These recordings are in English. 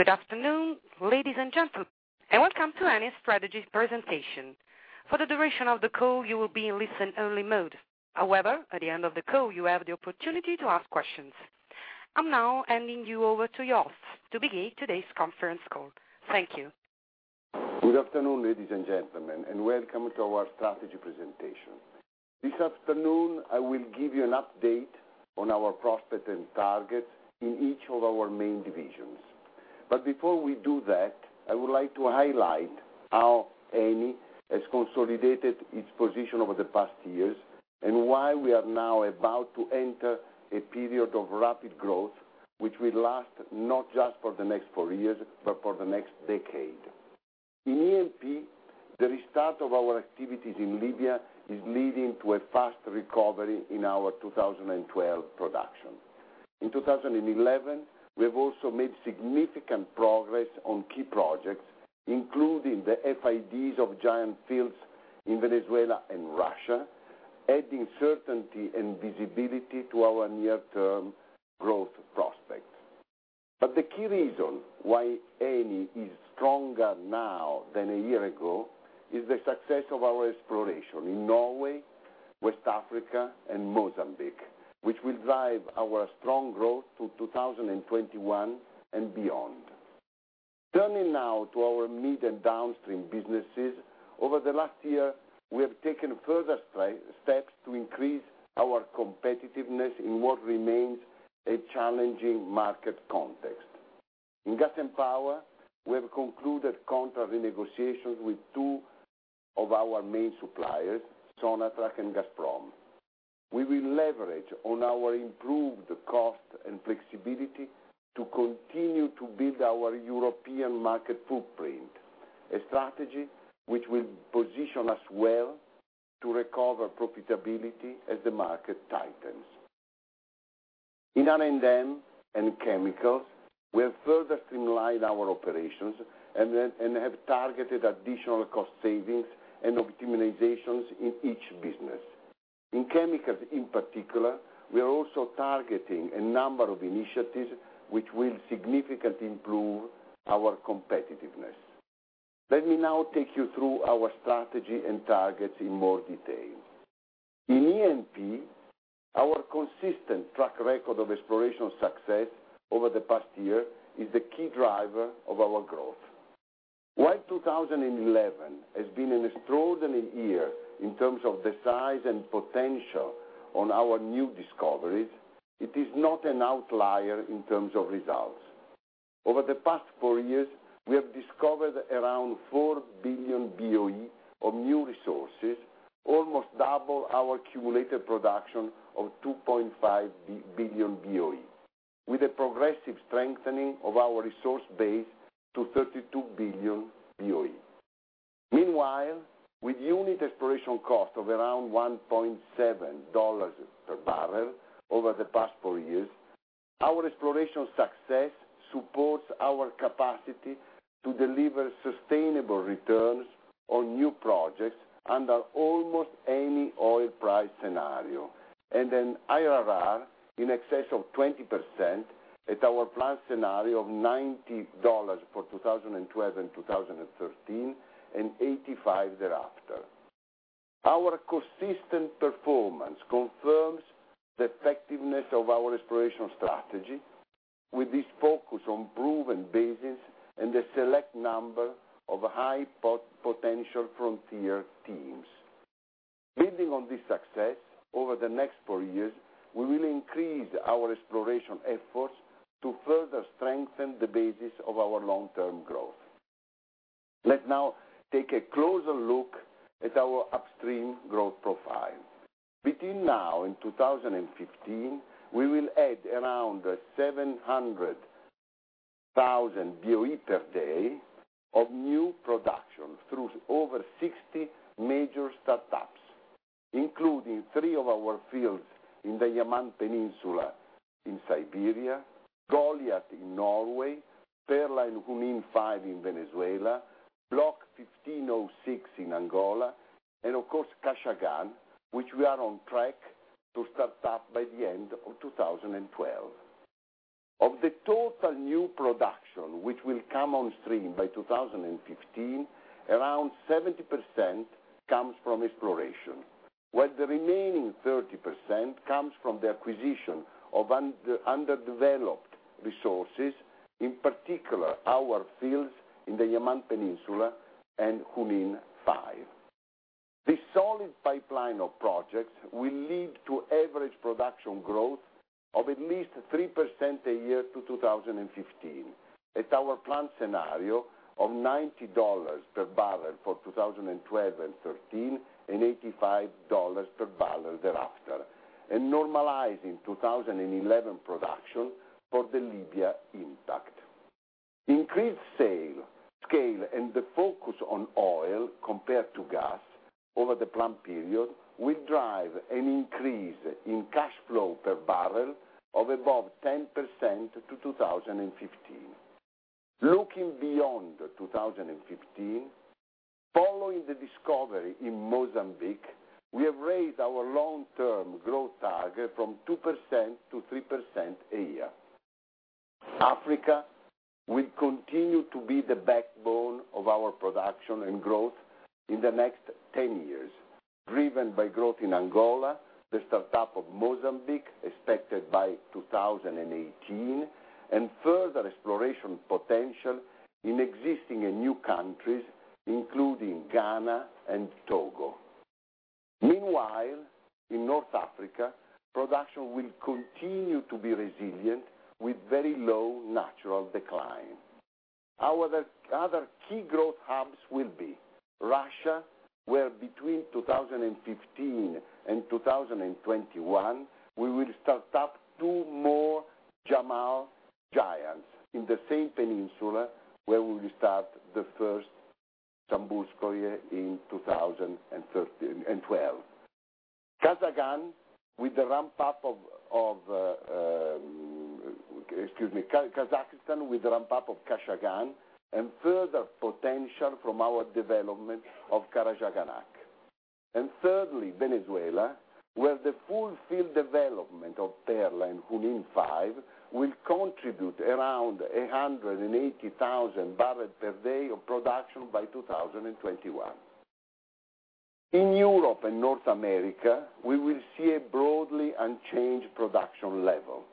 Good afternoon, ladies and gentlemen, and welcome to Eni's strategy presentation. For the duration of the call, you will be in listen-only mode. However, at the end of the call, you have the opportunity to ask questions. I'm now handing you over to host to begin today's conference call. Thank you. Good afternoon, ladies and gentlemen, and welcome to our strategy presentation. This afternoon, I will give you an update on our prospects and targets in each of our main divisions. Before we do that, I would like to highlight how Eni has consolidated its position over the past years and why we are now about to enter a period of rapid growth, which will last not just for the next four years, but for the next decade. In E&P, the restart of our activities in Libya is leading to a fast recovery in our 2012 production. In 2011, we have also made significant progress on key projects, including the FIDs of giant fields in Venezuela and Russia, adding certainty and visibility to our near-term growth prospects. The key reason why Eni is stronger now than a year ago is the success of our exploration in Norway, West Africa, and Mozambique, which will drive our strong growth to 2021 and beyond. Turning now to our mid and downstream businesses, over the last year, we have taken further steps to increase our competitiveness in what remains a challenging market context. In gas and power, we have concluded contract renegotiations with two of our main suppliers, Sonatrach and Gazprom. We will leverage on our improved cost and flexibility to continue to build our European market footprint, a strategy which will position us well to recover profitability as the market tightens. In R&M and chemicals, we have further streamlined our operations and have targeted additional cost savings and optimizations in each business. In chemicals in particular, we are also targeting a number of initiatives which will significantly improve our competitiveness. Let me now take you through our strategy and targets in more detail. In E&P, our consistent track record of exploration success over the past year is the key driver of our growth. While 2011 has been an extraordinary year in terms of the size and potential of our new discoveries, it is not an outlier in terms of results. Over the past four years, we have discovered around 4 billion BOE of new resources, almost double our accumulated production of 2.5 billion BOE, with a progressive strengthening of our resource base to 32 billion BOE. Meanwhile, with unit exploration costs of around $1.7 per barrel over the past four years, our exploration success supports our capacity to deliver sustainable returns on new projects under almost any oil price scenario and an IRR in excess of 20% at our planned scenario of $90 for 2012 and 2013 and $85 thereafter. Our consistent performance confirms the effectiveness of our exploration strategy with this focus on proven basins and the select number of high-potential frontier basins. Building on this success over the next four years, we will increase our exploration efforts to further strengthen the basis of our long-term growth. Let's now take a closer look at our upstream growth profile. Between now and 2015, we will add around 700,000 BOE per day of new production through over 60 major startups, including three of our fields in the Yamal Peninsula in Siberia, projects in Norway, Perla and Junin 5 in Venezuela, Block 15/06 in Angola, and of course, Kashagan, which we are on track to start up by the end of 2012. Of the total new production which will come on stream by 2015, around 70% comes from exploration, while the remaining 30% comes from the acquisition of underdeveloped resources, in particular our fields in the Yamal Peninsula and Junin 5. This solid pipeline of projects will lead to average production growth of at least 3% a year to 2015 at our planned scenario of $90 per barrel for 2012 and 2013 and $85 per barrel thereafter, and normalizing 2011 production for the Libya impact. Increased scale and the focus on oil compared to gas over the planned period will drive an increase in cash flow per barrel of above 10% to 2015. Looking beyond 2015, following the discovery in Mozambique, we have raised our long-term growth target from 2%-3% a year. Africa will continue to be the backbone of our production and growth in the next 10 years, driven by growth in Angola, the startup of Mozambique expected by 2018, and further exploration potential in existing and new countries, including Ghana and Togo. Meanwhile, in North Africa, production will continue to be resilient with very low natural decline. Our other key growth hubs will be Russia, where between 2015 and 2021, we will start up two more Yamal giants in the same peninsula, where we will start the first Tambey project in 2012. Kazakhstan with the ramp-up of Kashagan, and further potential from our development of Karachaganak. Thirdly, Venezuela, where the full-field development of Perla and Junin 5 will contribute around 180,000 barrels per day of production by 2021. In Europe and North America, we will see a broadly unchanged production level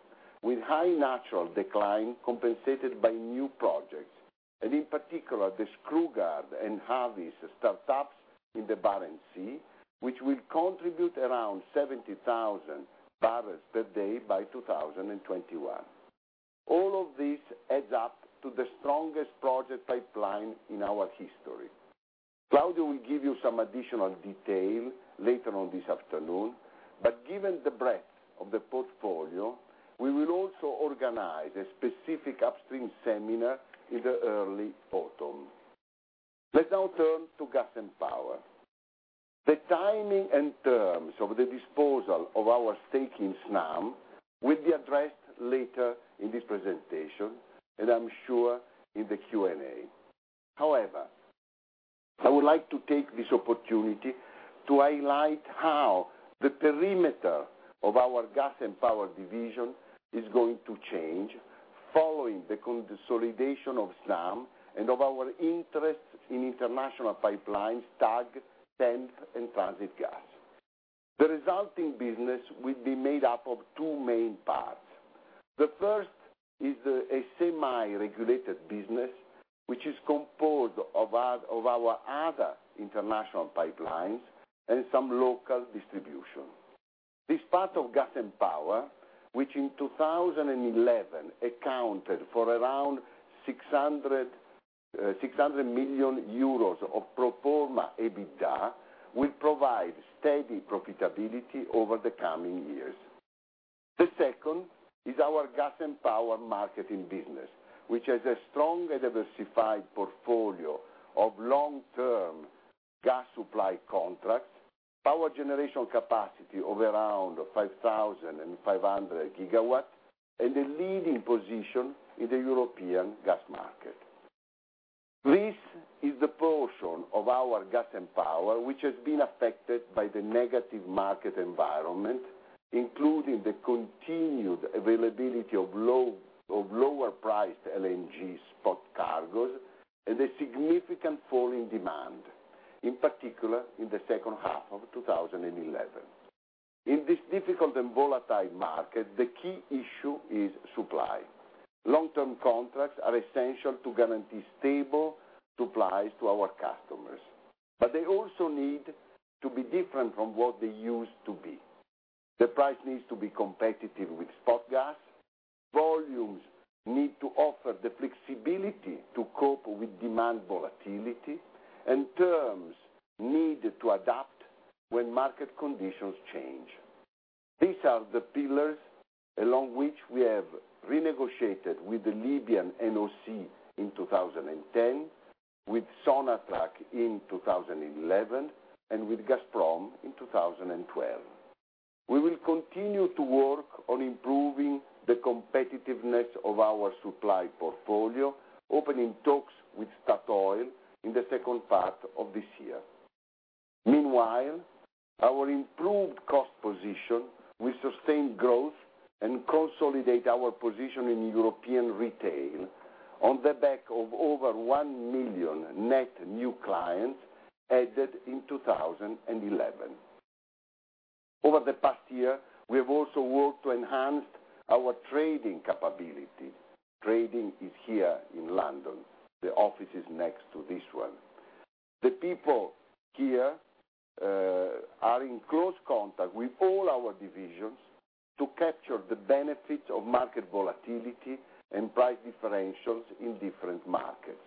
with high natural decline compensated by new projects, in particular the Skrugard and Harvey's startups in the Barents Sea, which will contribute around 70,000 barrels per day by 2021. All of this adds up to the strongest project pipeline in our history. Claudio will give you some additional detail later on this afternoon. Given the breadth of the portfolio, we will also organize a specific upstream seminar in the early autumn. Let's now turn to gas and power. The timing and terms of the disposal of our stake in SNAM will be addressed later in this presentation, and I'm sure in the Q&A. However, I would like to take this opportunity to highlight how the perimeter of our gas and power division is going to change following the consolidation of SNAM and of our interests in international pipelines TAG, TENP, and Transitgas. The resulting business will be made up of two main parts. The first is a semi-regulated business, which is composed of our other international pipelines and some local distribution. This part of gas and power, which in 2011 accounted for around €600 million of pro forma EBITDA, will provide steady profitability over the coming years. The second is our gas and power marketing business, which has a strong and diversified portfolio of long-term gas supply contracts, power generation capacity of around 5.5 gigawatts, and a leading position in the European gas market. This is the portion of our gas and power which has been affected by the negative market environment, including the continued availability of lower-priced LNG spot cargoes and a significant fall in demand, in particular in the second half of 2011. In this difficult and volatile market, the key issue is supply. Long-term contracts are essential to guarantee stable supplies to our customers, but they also need to be different from what they used to be. The price needs to be competitive with spot gas. Volumes need to offer the flexibility to cope with demand volatility, and terms need to adapt when market conditions change. These are the pillars along which we have renegotiated with the Libyan NOC in 2010, with Sonatrach in 2011, and with Gazprom in 2012. We will continue to work on improving the competitiveness of our supply portfolio, opening talks with Statoil in the second part of this year. Meanwhile, our improved cost position will sustain growth and consolidate our position in European retail on the back of over 1 million net new clients added in 2011. Over the past year, we have also worked to enhance our trading capability. Trading is here in London. The office is next to this one. The people here are in close contact with all our divisions to capture the benefits of market volatility and price differentials in different markets.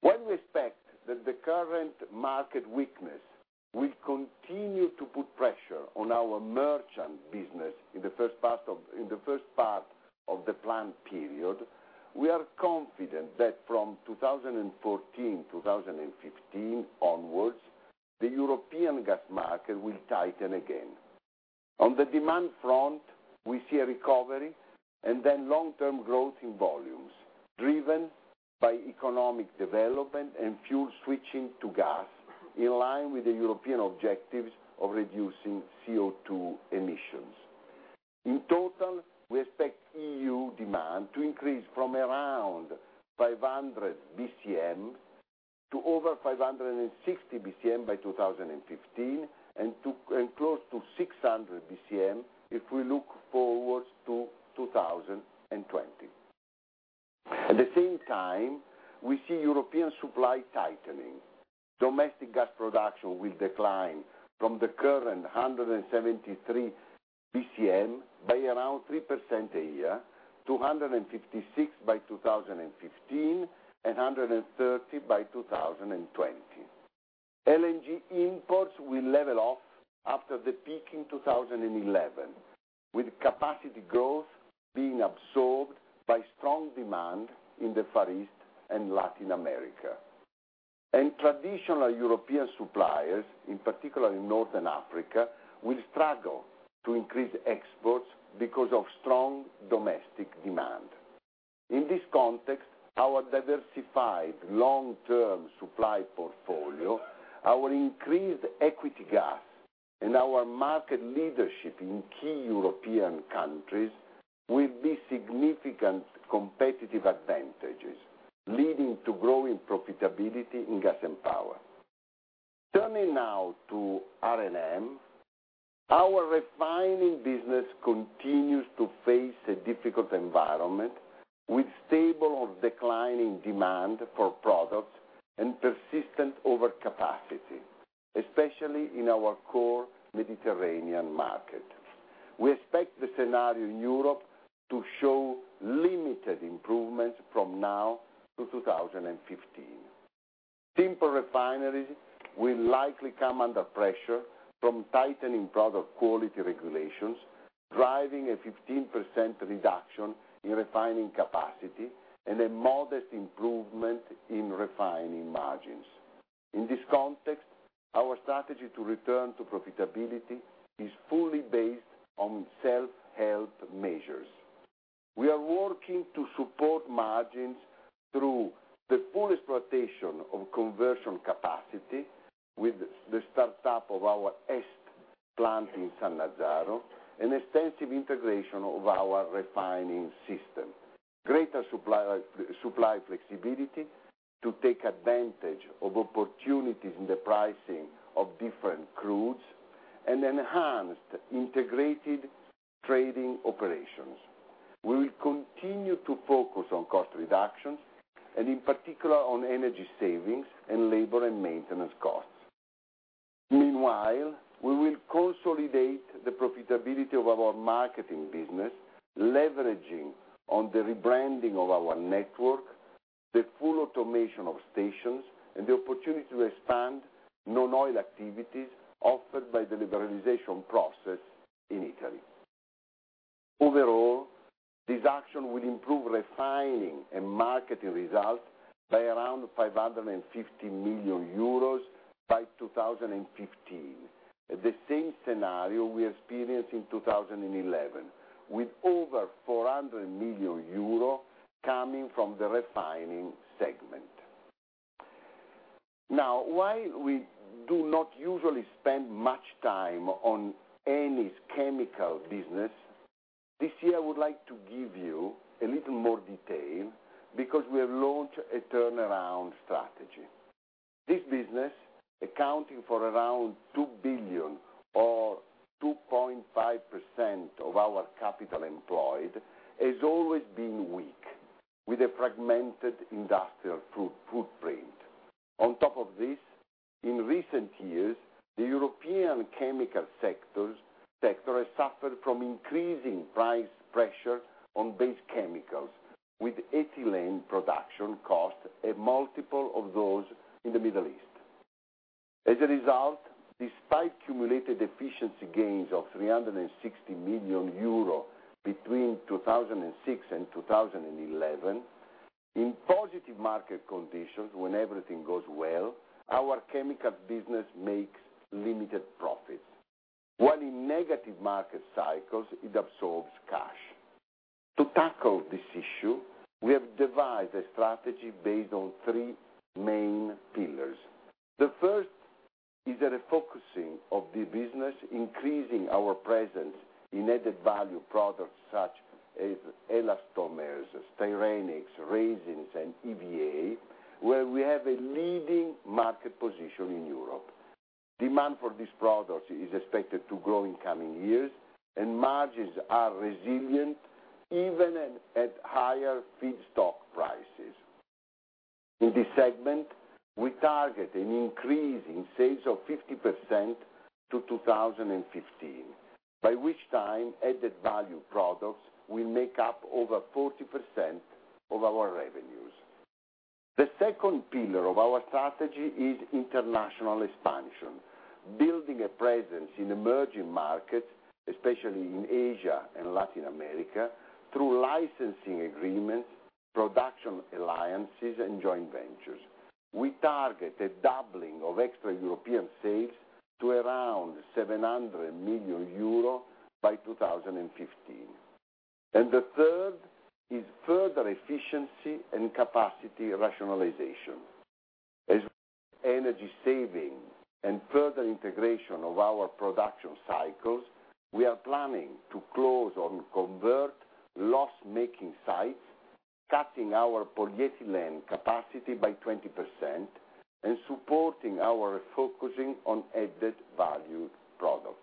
While we expect that the current market weakness will continue to put pressure on our merchant business in the first part of the planned period, we are confident that from 2014-2015 onwards, the European gas market will tighten again. On the demand front, we see a recovery and then long-term growth in volumes driven by economic development and fuel switching to gas in line with the European objectives of reducing CO2 emissions. In total, we expect EU demand to increase from around 500 BCM to over 560 BCM by 2015 and close to 600 BCM if we look forward to 2020. At the same time, we see European supply tightening. Domestic gas production will decline from the current 173 BCM by around 3% a year to 156 by 2015 and 130 by 2020. LNG imports will level off after the peak in 2011, with capacity growth being absorbed by strong demand in the Far East and Latin America. Traditional European suppliers, in particular in Northern Africa, will struggle to increase exports because of strong domestic demand. In this context, our diversified long-term supply portfolio, our increased equity gap, and our market leadership in key European countries will be significant competitive advantages, leading to growing profitability in gas and power. Turning now to R&M, our refining business continues to face a difficult environment with stable or declining demand for products and persistent overcapacity, especially in our core Mediterranean market. We expect the scenario in Europe to show limited improvements from now to 2015. Timber refineries will likely come under pressure from tightening product quality regulations, driving a 15% reduction in refining capacity and a modest improvement in refining margins. In this context, our strategy to return to profitability is fully based on self-help measures. We are working to support margins through the full exploitation of conversion capacity with the startup of our EST plant in San Lazzaro and extensive integration of our refining system, greater supply flexibility to take advantage of opportunities in the pricing of different crudes, and enhanced integrated trading operations. We will continue to focus on cost reductions and, in particular, on energy savings and labor and maintenance costs. Meanwhile, we will consolidate the profitability of our marketing business, leveraging on the rebranding of our network, the full automation of stations, and the opportunity to expand non-oil activities offered by the liberalization process in Italy. Overall, these actions will improve refining and marketing results by around €550 million by 2015, at the same scenario we experienced in 2011, with over €400 million coming from the refining segment. Now, while we do not usually spend much time on Eni's chemical business, this year I would like to give you a little more detail because we have launched a turnaround strategy. This business, accounting for around €2 billion or 2.5% of our capital employed, has always been weak with a fragmented industrial footprint. On top of this, in recent years, the European chemical sector has suffered from increasing price pressure on base chemicals, with ethylene production costs a multiple of those in the Middle East. As a result, despite cumulated efficiency gains of €360 million between 2006 and 2011, in positive market conditions, when everything goes well, our chemical business makes limited profits. While in negative market cycles, it absorbs cash. To tackle this issue, we have devised a strategy based on three main pillars. The first is the refocusing of the business, increasing our presence in added-value products such as elastomers, styrenics, resins, and EVA, where we have a leading market position in Europe. Demand for these products is expected to grow in coming years, and margins are resilient even at higher feedstock prices. In this segment, we target an increase in sales of 50% to 2015, by which time added-value products will make up over 40% of our revenues. The second pillar of our strategy is international expansion, building a presence in emerging markets, especially in Asia and Latin America, through licensing agreements, production alliances, and joint ventures. We target a doubling of extra European sales to around €700 million by 2015. The third is further efficiency and capacity rationalization. As energy saving and further integration of our production cycles, we are planning to close or convert loss-making sites, cutting our polyethylene capacity by 20%, and supporting our refocusing on added-value products.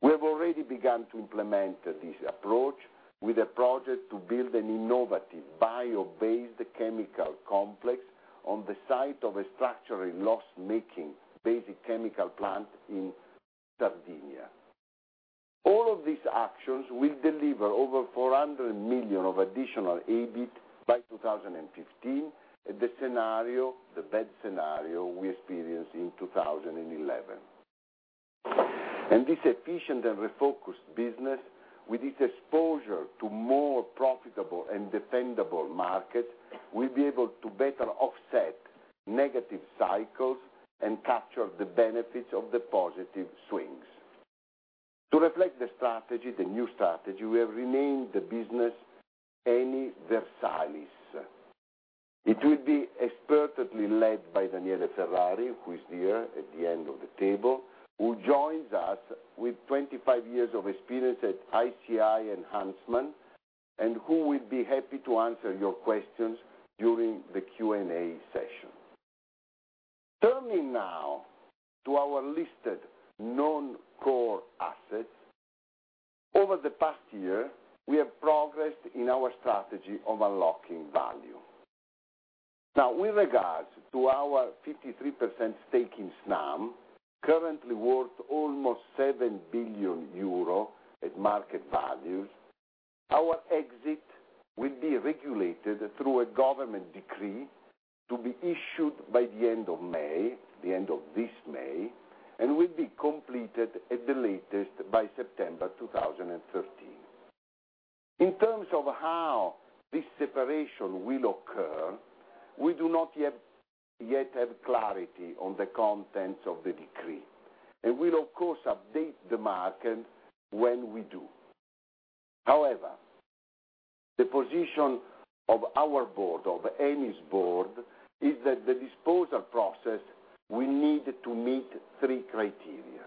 We have already begun to implement this approach with a project to build an innovative bio-based chemical complex on the site of a structurally loss-making basic chemical plant in Sardinia. All of these actions will deliver over €400 million of additional EBIT by 2015 at the scenario, the bad scenario we experienced in 2011. This efficient and refocused business, with its exposure to more profitable and defendable markets, will be able to better offset negative cycles and capture the benefits of the positive swings. To reflect the strategy, the new strategy, we have renamed the business Versalis. It will be expertly led by Daniele Ferrari, who is here at the end of the table, who joins us with 25 years of experience at ICI Enhancement and who will be happy to answer your questions during the Q&A session. Turning now to our listed non-core assets, over the past year, we have progressed in our strategy of unlocking value. With regards to our 53% stake in SNAM, currently worth almost €7 billion at market value, our exit will be regulated through a government decree to be issued by the end of May, the end of this May, and will be completed at the latest by September 2013. In terms of how this separation will occur, we do not yet have clarity on the contents of the decree. We will, of course, update the market when we do. However, the position of Eni's board is that the disposal process will need to meet three criteria.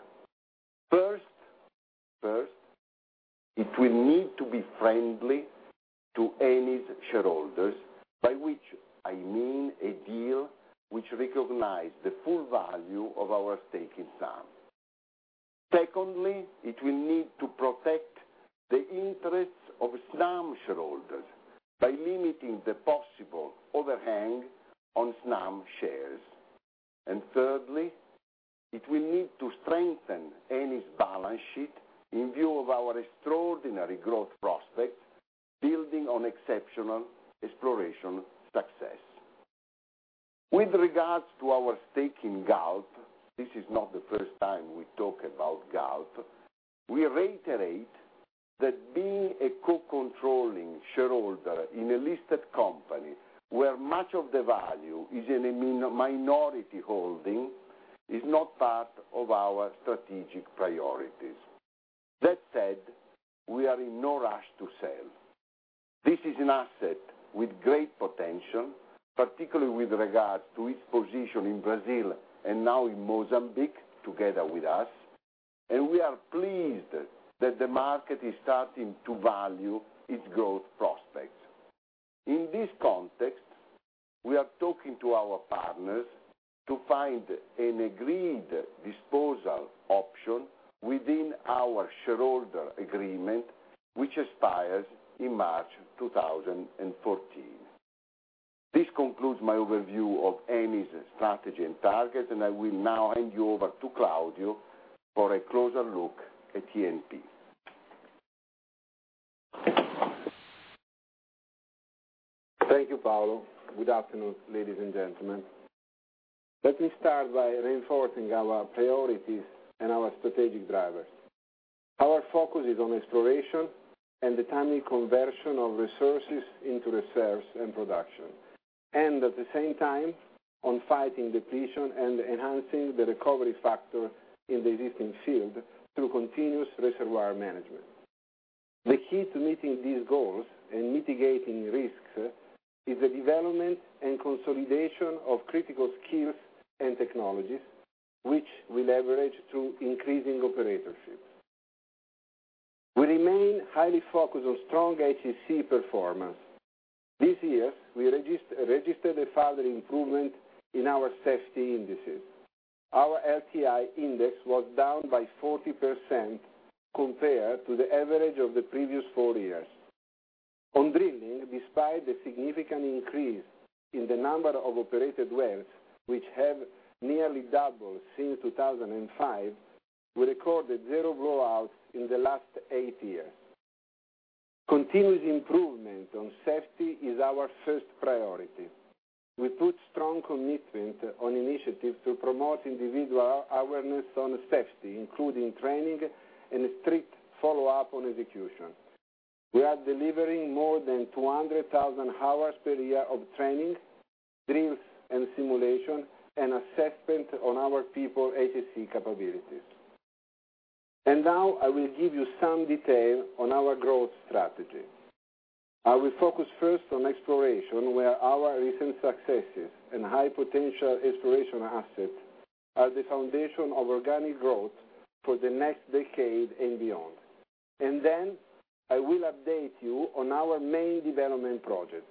First, it will need to be friendly to Eni's shareholders, by which I mean a deal which recognizes the full value of our stake in SNAM. Secondly, it will need to protect the interests of SNAM shareholders by limiting the possible overhang on SNAM shares. Thirdly, it will need to strengthen Eni's balance sheet in view of our extraordinary growth prospects building on exceptional exploration success. With regards to our stake in GALP, this is not the first time we talk about GALP. We reiterate that being a co-controlling shareholder in a listed company where much of the value is in a minority holding is not part of our strategic priorities. That said, we are in no rush to sell. This is an asset with great potential, particularly with regards to its position in Brazil and now in Mozambique together with us. We are pleased that the market is starting to value its growth prospects. In this context, we are talking to our partners to find an agreed disposal option within our shareholder agreement, which expires in March 2014. This concludes my overview of Eni's strategy and targets, and I will now hand you over to Claudio for a closer look at E&P. Thank you, Paolo. Good afternoon, ladies and gentlemen. Let me start by reinforcing our priorities and our strategic drivers. Our focus is on exploration and the timely conversion of resources into reserves and production, and at the same time, on fighting depletion and enhancing the recovery factor in the existing field through continuous reservoir management. The key to meeting these goals and mitigating risks is the development and consolidation of critical skills and technologies, which we leverage through increasing operatorship. We remain highly focused on strong HEC performance. This year, we registered a further improvement in our safety indices. Our LTI index was down by 40% compared to the average of the previous four years. On drilling, despite the significant increase in the number of operated wells, which have nearly doubled since 2005, we recorded zero blowouts in the last eight years. Continuous improvement on safety is our first priority. We put strong commitment on initiatives to promote individual awareness on safety, including training and a strict follow-up on execution. We are delivering more than 200,000 hours per year of training, drills, simulation, and assessment on our people HEC capabilities. Now, I will give you some detail on our growth strategy. I will focus first on exploration, where our recent successes and high potential exploration assets are the foundation of organic growth for the next decade and beyond. I will update you on our main development project.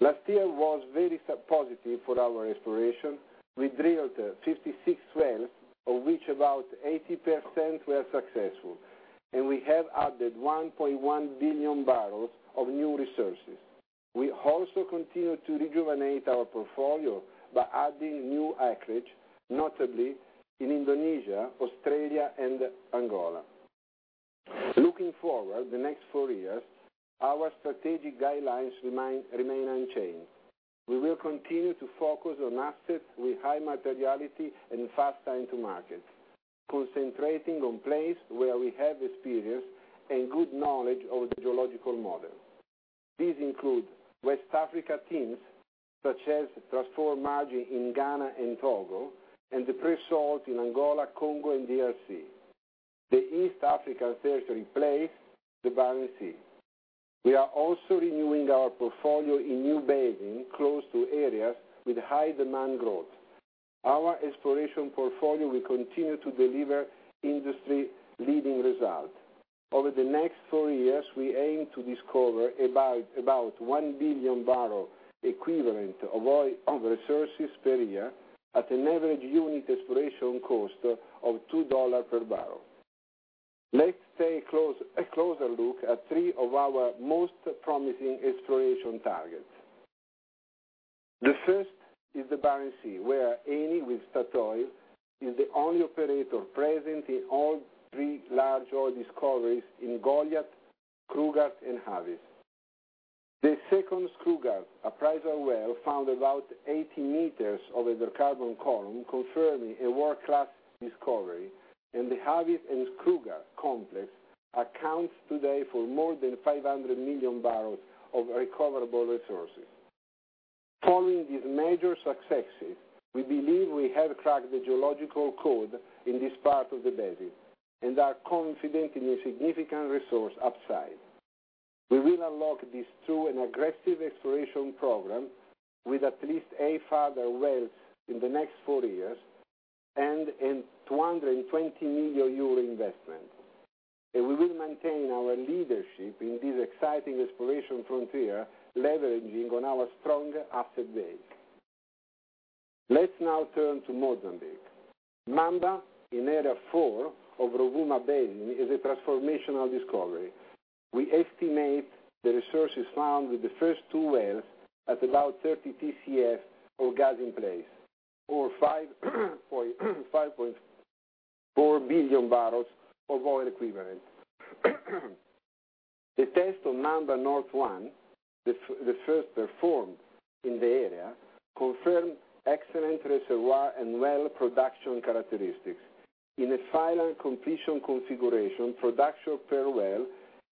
Last year was very positive for our exploration. We drilled 56 wells, of which about 80% were successful, and we have added 1.1 billion barrels of new resources. We also continue to rejuvenate our portfolio by adding new acreage, notably in Indonesia, Australia, and Angola. Looking forward to the next four years, our strategic guidelines remain unchanged. We will continue to focus on assets with high materiality and fast time to market, concentrating on places where we have experience and good knowledge of the geological model. These include West Africa teams such as Transform Margin in Ghana and Togo and the Pre-Salt in Angola, Congo, and DRC. The East African territory plays the balance sheet. We are also renewing our portfolio in new basins close to areas with high demand growth. Our exploration portfolio will continue to deliver industry-leading results. Over the next four years, we aim to discover about 1 billion barrels of oil equivalent resources per year at an average unit exploration cost of $2 per barrel. Let's take a closer look at three of our most promising exploration targets. The first is the Barents Sea, where Eni with Statoil is the only operator present in all three large oil discoveries in Goliat, Kruger, and Harveys. The second, Skrugard, a prized oil well found about 80 meters over the carbon column, confirming a world-class discovery, and the Harvey and Skrugard complex accounts today for more than 500 million barrels of recoverable resources. Following these major successes, we believe we have cracked the geological code in this part of the basin and are confident in a significant resource upside. We will unlock this through an aggressive exploration program with at least eight further wells in the next four years and a €220 million investment. We will maintain our leadership in this exciting exploration frontier, leveraging on our strong asset base. Let's now turn to Mozambique. Mamba, in Area 4 of Rovuma Basin, is a transformational discovery. We estimate the resources found with the first two wells at about 30 TCF of gas in place, or 5.4 billion barrels of oil equivalent. The test on Mamba North One, the first performed in the area, confirmed excellent reservoir and well production characteristics. In a final completion configuration, production per well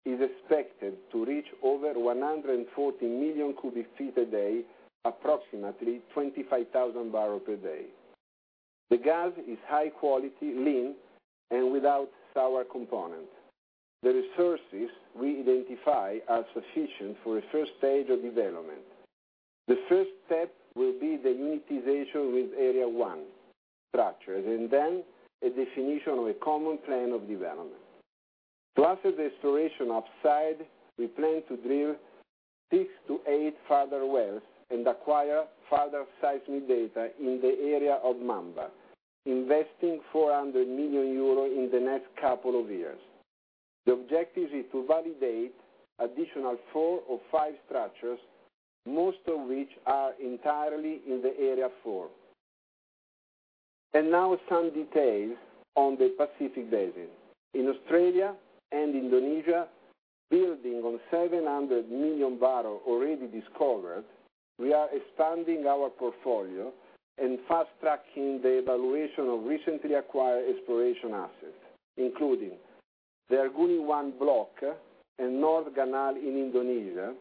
is expected to reach over 140 million cubic feet a day, approximately 25,000 barrels per day. The gas is high quality, lean, and without sour components. The resources we identify are sufficient for a first stage of development. The first step will be the unitization with Area I structures and then a definition of a common plan of development. To assess the exploration upside, we plan to drill six to eight further wells and acquire further seismic data in the area of Mamba, investing €400 million in the next couple of years. The objective is to validate an additional four or five structures, most of which are entirely in Area IV. Now some details on the Pacific basin. In Australia and Indonesia, building on 700 million barrels already discovered, we are expanding our portfolio and fast-tracking the evaluation of recently acquired exploration assets, including the Arguni I block and North Ganal in Indonesia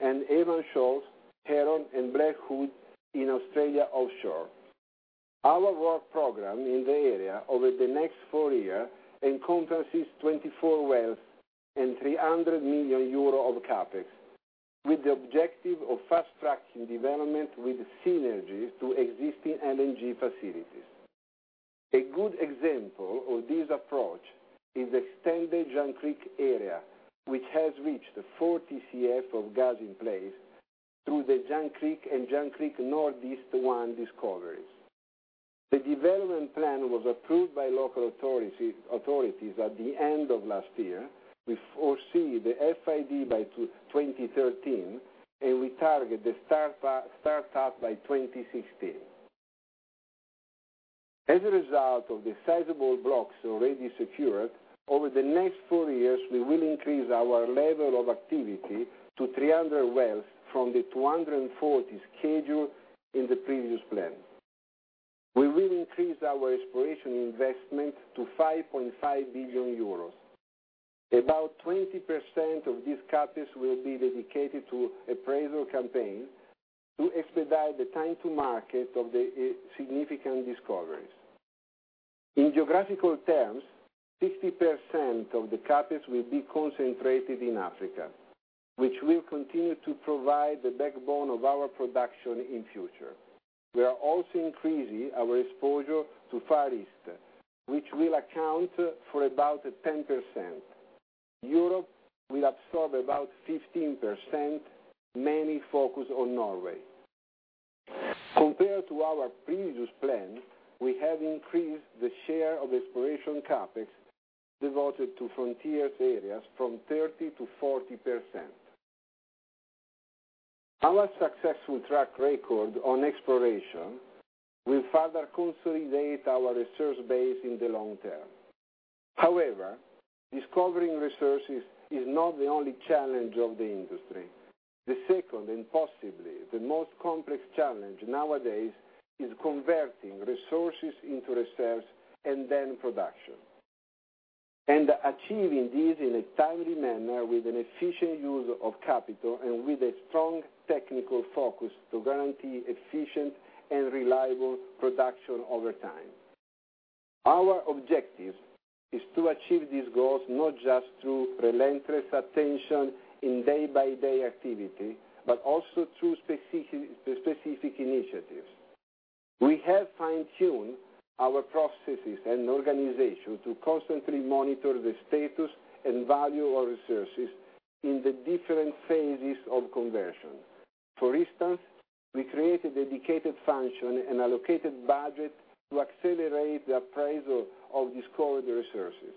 and Evans Shoal, Heron, and Blackwood in Australia offshore. Our work program in the area over the next four years encompasses 24 wells and €300 million of CAPEX, with the objective of fast-tracking development with synergies to existing LNG facilities. A good example of this approach is the extended Junk Creek area, which has reached 4 TCF of gas in place through the Junk Creek and Junk Creek Northeast I discoveries. The development plan was approved by local authorities at the end of last year. We foresee the FID by 2013, and we target the startup by 2016. As a result of the sizable blocks already secured, over the next four years, we will increase our level of activity to 300 wells from the 240 scheduled in the previous plan. We will increase our exploration investment to €5.5 billion. About 20% of this CAPEX will be dedicated to appraisal campaigns to expedite the time to market of the significant discoveries. In geographical terms, 60% of the CAPEX will be concentrated in Africa, which will continue to provide the backbone of our production in the future. We are also increasing our exposure to Far East, which will account for about 10%. Europe will absorb about 15%, many focused on Norway. Compared to our previous plan, we have increased the share of exploration CAPEX devoted to frontier areas from 30%-40%. Our successful track record on exploration will further consolidate our resource base in the long term. However, discovering resources is not the only challenge of the industry. The second, and possibly the most complex challenge nowadays, is converting resources into reserves and then production. Achieving this in a timely manner with an efficient use of capital and with a strong technical focus to guarantee efficient and reliable production over time is critical. Our objective is to achieve these goals not just through relentless attention in day-by-day activity, but also through specific initiatives. We have fine-tuned our processes and organization to constantly monitor the status and value of our resources in the different phases of conversion. For instance, we created a dedicated function and allocated budget to accelerate the appraisal of discovered resources.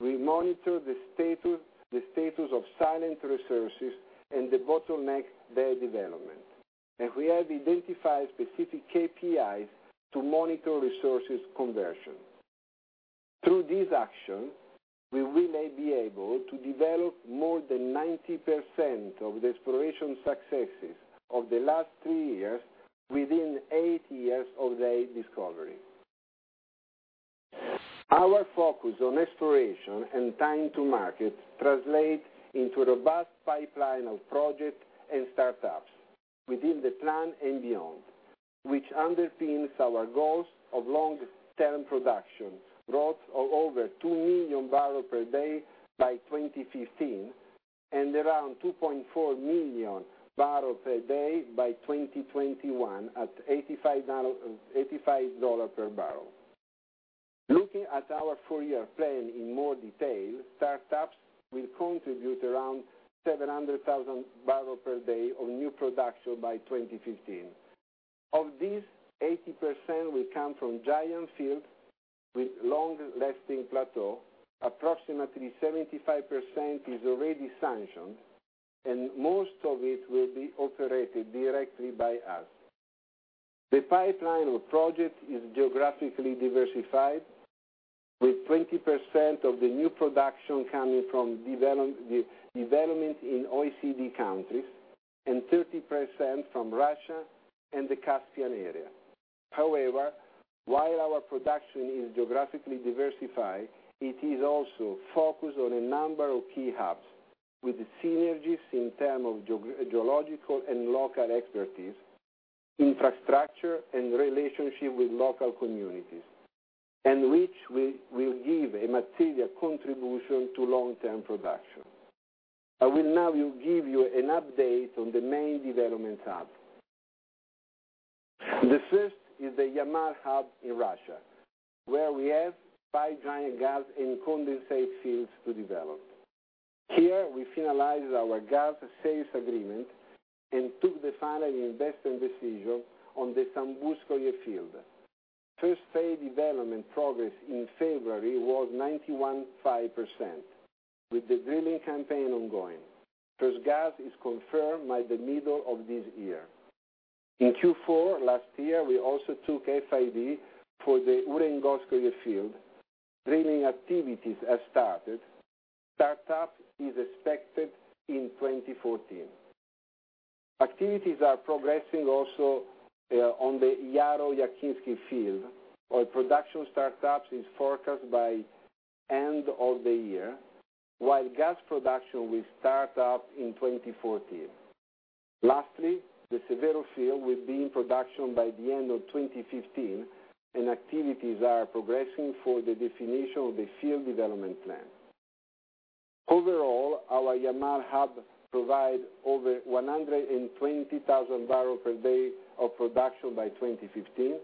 We monitor the status of silent resources and the bottleneck their development. We have identified specific KPIs to monitor resources conversion. Through these actions, we will be able to develop more than 90% of the exploration successes of the last three years within eight years of the discovery. Our focus on exploration and time to market translates into a robust pipeline of projects and startups within the plan and beyond, which underpins our goals of long-term production, growth of over 2 million barrels per day by 2015 and around 2.4 million barrels per day by 2021 at $85 per barrel. Looking at our four-year plan in more detail, startups will contribute around 700,000 barrels per day of new production by 2015. Of this, 80% will come from giant fields with long-lasting plateau. Approximately 75% is already sanctioned, and most of it will be operated directly by us. The pipeline of projects is geographically diversified, with 20% of the new production coming from development in OECD countries and 30% from Russia and the Caspian area. However, while our production is geographically diversified, it is also focused on a number of key hubs with synergies in terms of geological and local expertise, infrastructure, and relationship with local communities, which will give a material contribution to long-term production. I will now give you an update on the main development hubs. The first is the Yamal hub in Russia, where we have five giant gas and condensate fields to develop. Here, we finalized our gas sales agreement and took the final investment decision on the Tambeyskoye field. First phase development progress in February was 91.5%, with the drilling campaign ongoing. First gas is confirmed by the middle of this year. In Q4 last year, we also took FID for the Urengoyskoye field. Drilling activities have started. Startup is expected in 2014. Activities are progressing also on the Yaroyakhinskoye field, where production startups are forecast by the end of the year, while gas production will start up in 2014. Lastly, the Severo field will be in production by the end of 2015, and activities are progressing for the definition of the field development plan. Overall, our Yamal hub provides over 120,000 barrels per day of production by 2015,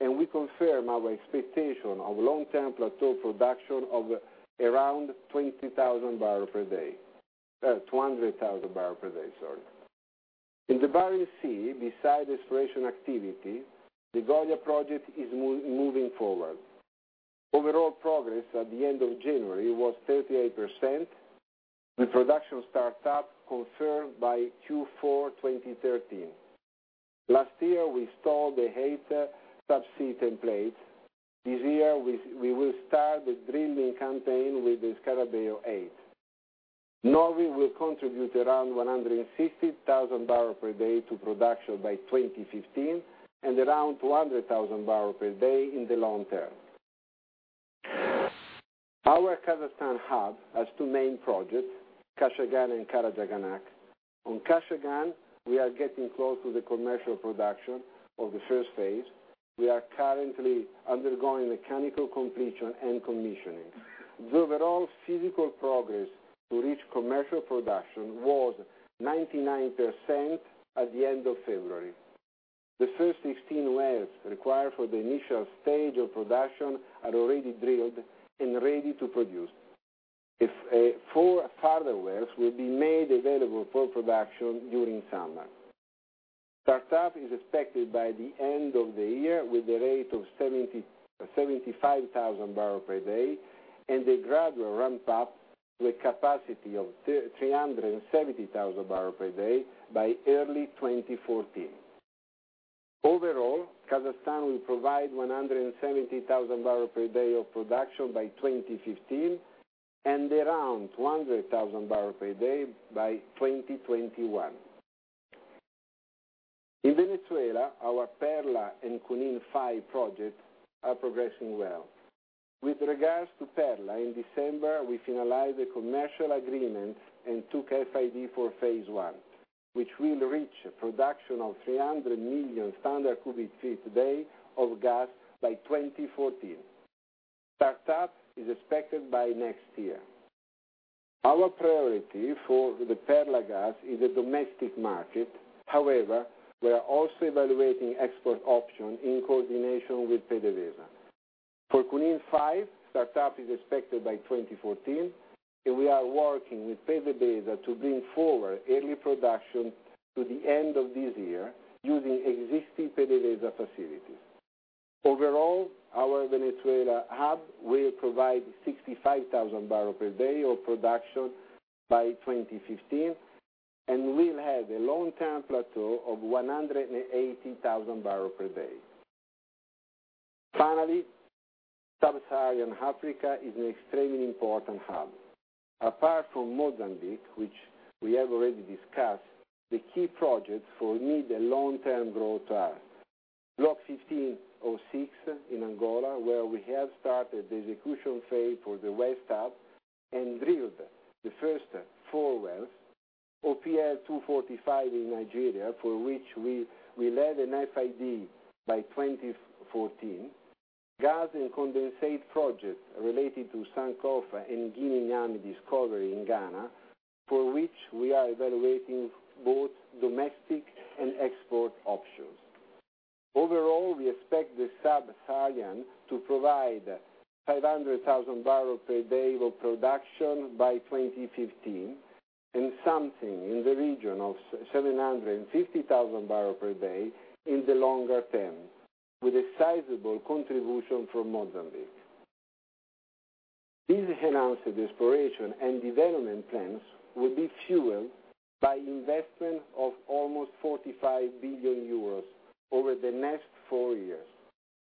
and we confirm our expectation of long-term plateau production of around 200,000 barrels per day. In the Barents Sea, besides exploration activity, the Goliat project is moving forward. Overall progress at the end of January was 38%, with production startup confirmed by Q4 2013. Last year, we installed the HAT subsea template. This year, we will start the drilling campaign with the Scarabeo HAT. Norway will contribute around 160,000 barrels per day to production by 2015 and around 200,000 barrels per day in the long term. Our Kazakhstan hub has two main projects, Kashagan and Karachaganak. On Kashagan, we are getting close to the commercial production of the first phase. We are currently undergoing mechanical completion and commissioning. The overall physical progress to reach commercial production was 99% at the end of February. The first 16 wells required for the initial stage of production are already drilled and ready to produce. Four further wells will be made available for production during summer. Startup is expected by the end of the year with a rate of 75,000 barrels per day and a gradual ramp-up to a capacity of 370,000 barrels per day by early 2014. Overall, Kazakhstan will provide 170,000 barrels per day of production by 2015 and around 200,000 barrels per day by 2021. In Venezuela, our Perla and Junin 5 projects are progressing well. With regards to Perla, in December, we finalized the commercial agreement and took FID for phase one, which will reach production of 300 million standard cubic feet a day of gas by 2014. Startup is expected by next year. Our priority for the Perla gas is the domestic market. However, we are also evaluating export options in coordination with PDVSA. For Junin 5, startup is expected by 2014, and we are working with PDVSA to bring forward early production to the end of this year using existing PDVSA facilities. Overall, our Venezuela hub will provide 65,000 barrels per day of production by 2015 and will have a long-term plateau of 180,000 barrels per day. Finally, Sub-Saharan Africa is an extremely important hub. Apart from Mozambique, which we have already discussed, the key projects for needed long-term growth are Block 15/06 in Angola, where we have started the execution phase for the West Hub and drilled the first four wells, OPL 245 in Nigeria, for which we led an FID by 2014, and gas and condensate projects related to Sankofa and Gye Nyame discovery in Ghana, for which we are evaluating both domestic and export options. Overall, we expect the Sub-Saharan to provide 500,000 barrels per day of production by 2015 and something in the region of 750,000 barrels per day in the longer term, with a sizable contribution from Mozambique. These enhanced exploration and development plans will be fueled by investment of almost €45 billion over the next four years,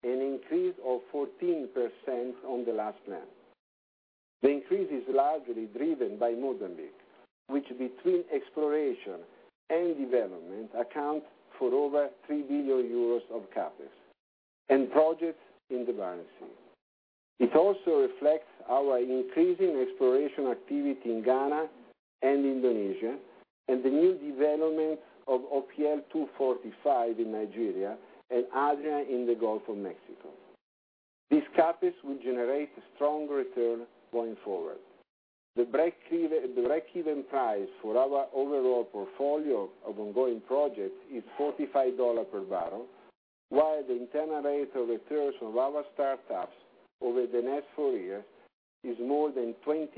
an increase of 14% on the last plan. The increase is largely driven by Mozambique, which between exploration and development accounts for over €3 billion of CAPEX and projects in the Barents Sea. It also reflects our increasing exploration activity in Ghana and Indonesia and the new development of OPL 245 in Nigeria and Adria in the Gulf of Mexico. These CAPEX will generate strong returns going forward. The break-even price for our overall portfolio of ongoing projects is $45 per barrel, while the internal rate of return of our startups over the next four years is more than 20%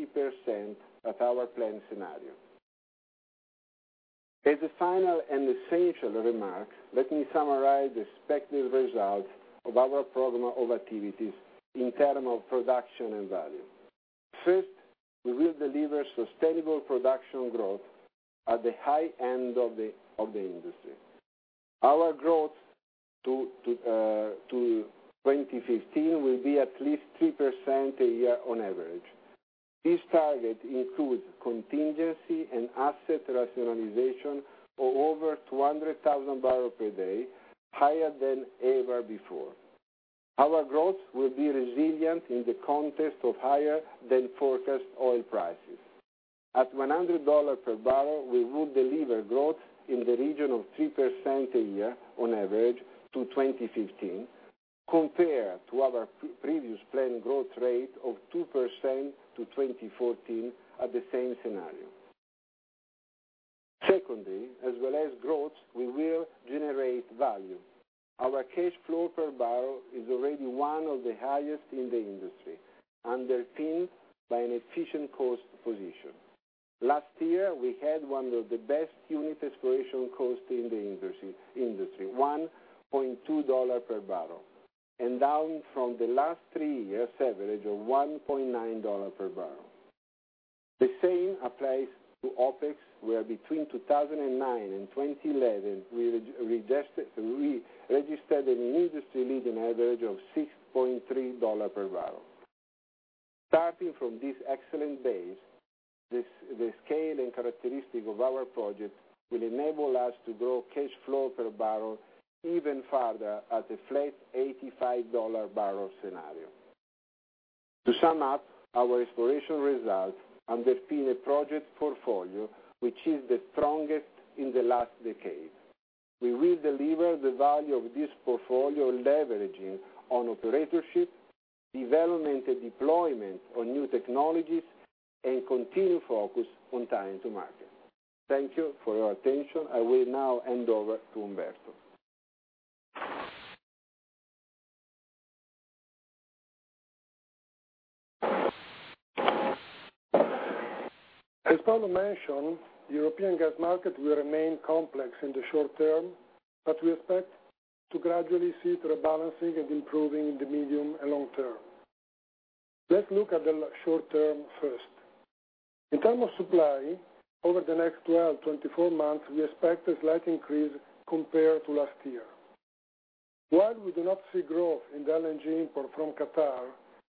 at our planned scenario. As a final and essential remark, let me summarize the expected results of our program of activities in terms of production and value. First, we will deliver sustainable production growth at the high end of the industry. Our growth to 2015 will be at least 3% a year on average. This target includes contingency and asset rationalization of over 200,000 barrels per day, higher than ever before. Our growth will be resilient in the context of higher than forecast oil prices. At $100 per barrel, we will deliver growth in the region of 3% a year on average to 2015, compared to our previous planned growth rate of 2% to 2014 at the same scenario. Secondly, as well as growth, we will generate value. Our cash flow per barrel is already one of the highest in the industry, underpinned by an efficient cost position. Last year, we had one of the best unit exploration costs in the industry, $1.2 per barrel, and down from the last three years' average of $1.9 per barrel. The same applies to OPEX, where between 2009 and 2011, we registered an industry-leading average of $6.3 per barrel. Starting from this excellent base, the scale and characteristics of our project will enable us to grow cash flow per barrel even further at a flat $85 barrel scenario. To sum up, our exploration results underpin a project portfolio which is the strongest in the last decade. We will deliver the value of this portfolio leveraging on operatorship, development and deployment of new technologies, and continue focus on time to market. Thank you for your attention. I will now hand over to Umberto. As Paolo Scaroni mentioned, the European gas market will remain complex in the short term, but we expect to gradually see it rebalancing and improving in the medium and long term. Let's look at the short term first. In terms of supply, over the next 12-24 months, we expect a slight increase compared to last year. While we do not see growth in the LNG import from Qatar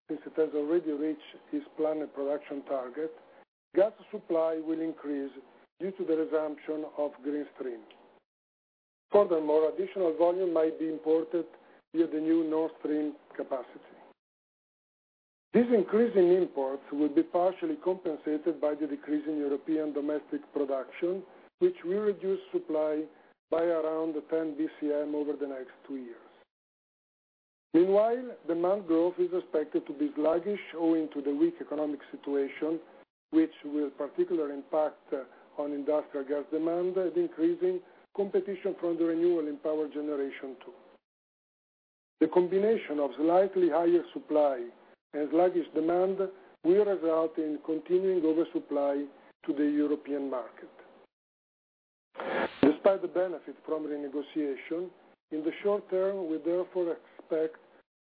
since it has already reached its planned production target, gas supply will increase due to the resumption of Green Stream. Furthermore, additional volume might be imported via the new North Stream capacity. This increase in imports will be partially compensated by the decrease in European domestic production, which will reduce supply by around 10 BCM over the next two years. Meanwhile, demand growth is expected to be sluggish owing to the weak economic situation, which will particularly impact industrial gas demand and increasing competition from the renewable power generation tools. The combination of slightly higher supply and sluggish demand will result in continuing oversupply to the European market. Despite the benefit from renegotiation, in the short term, we therefore expect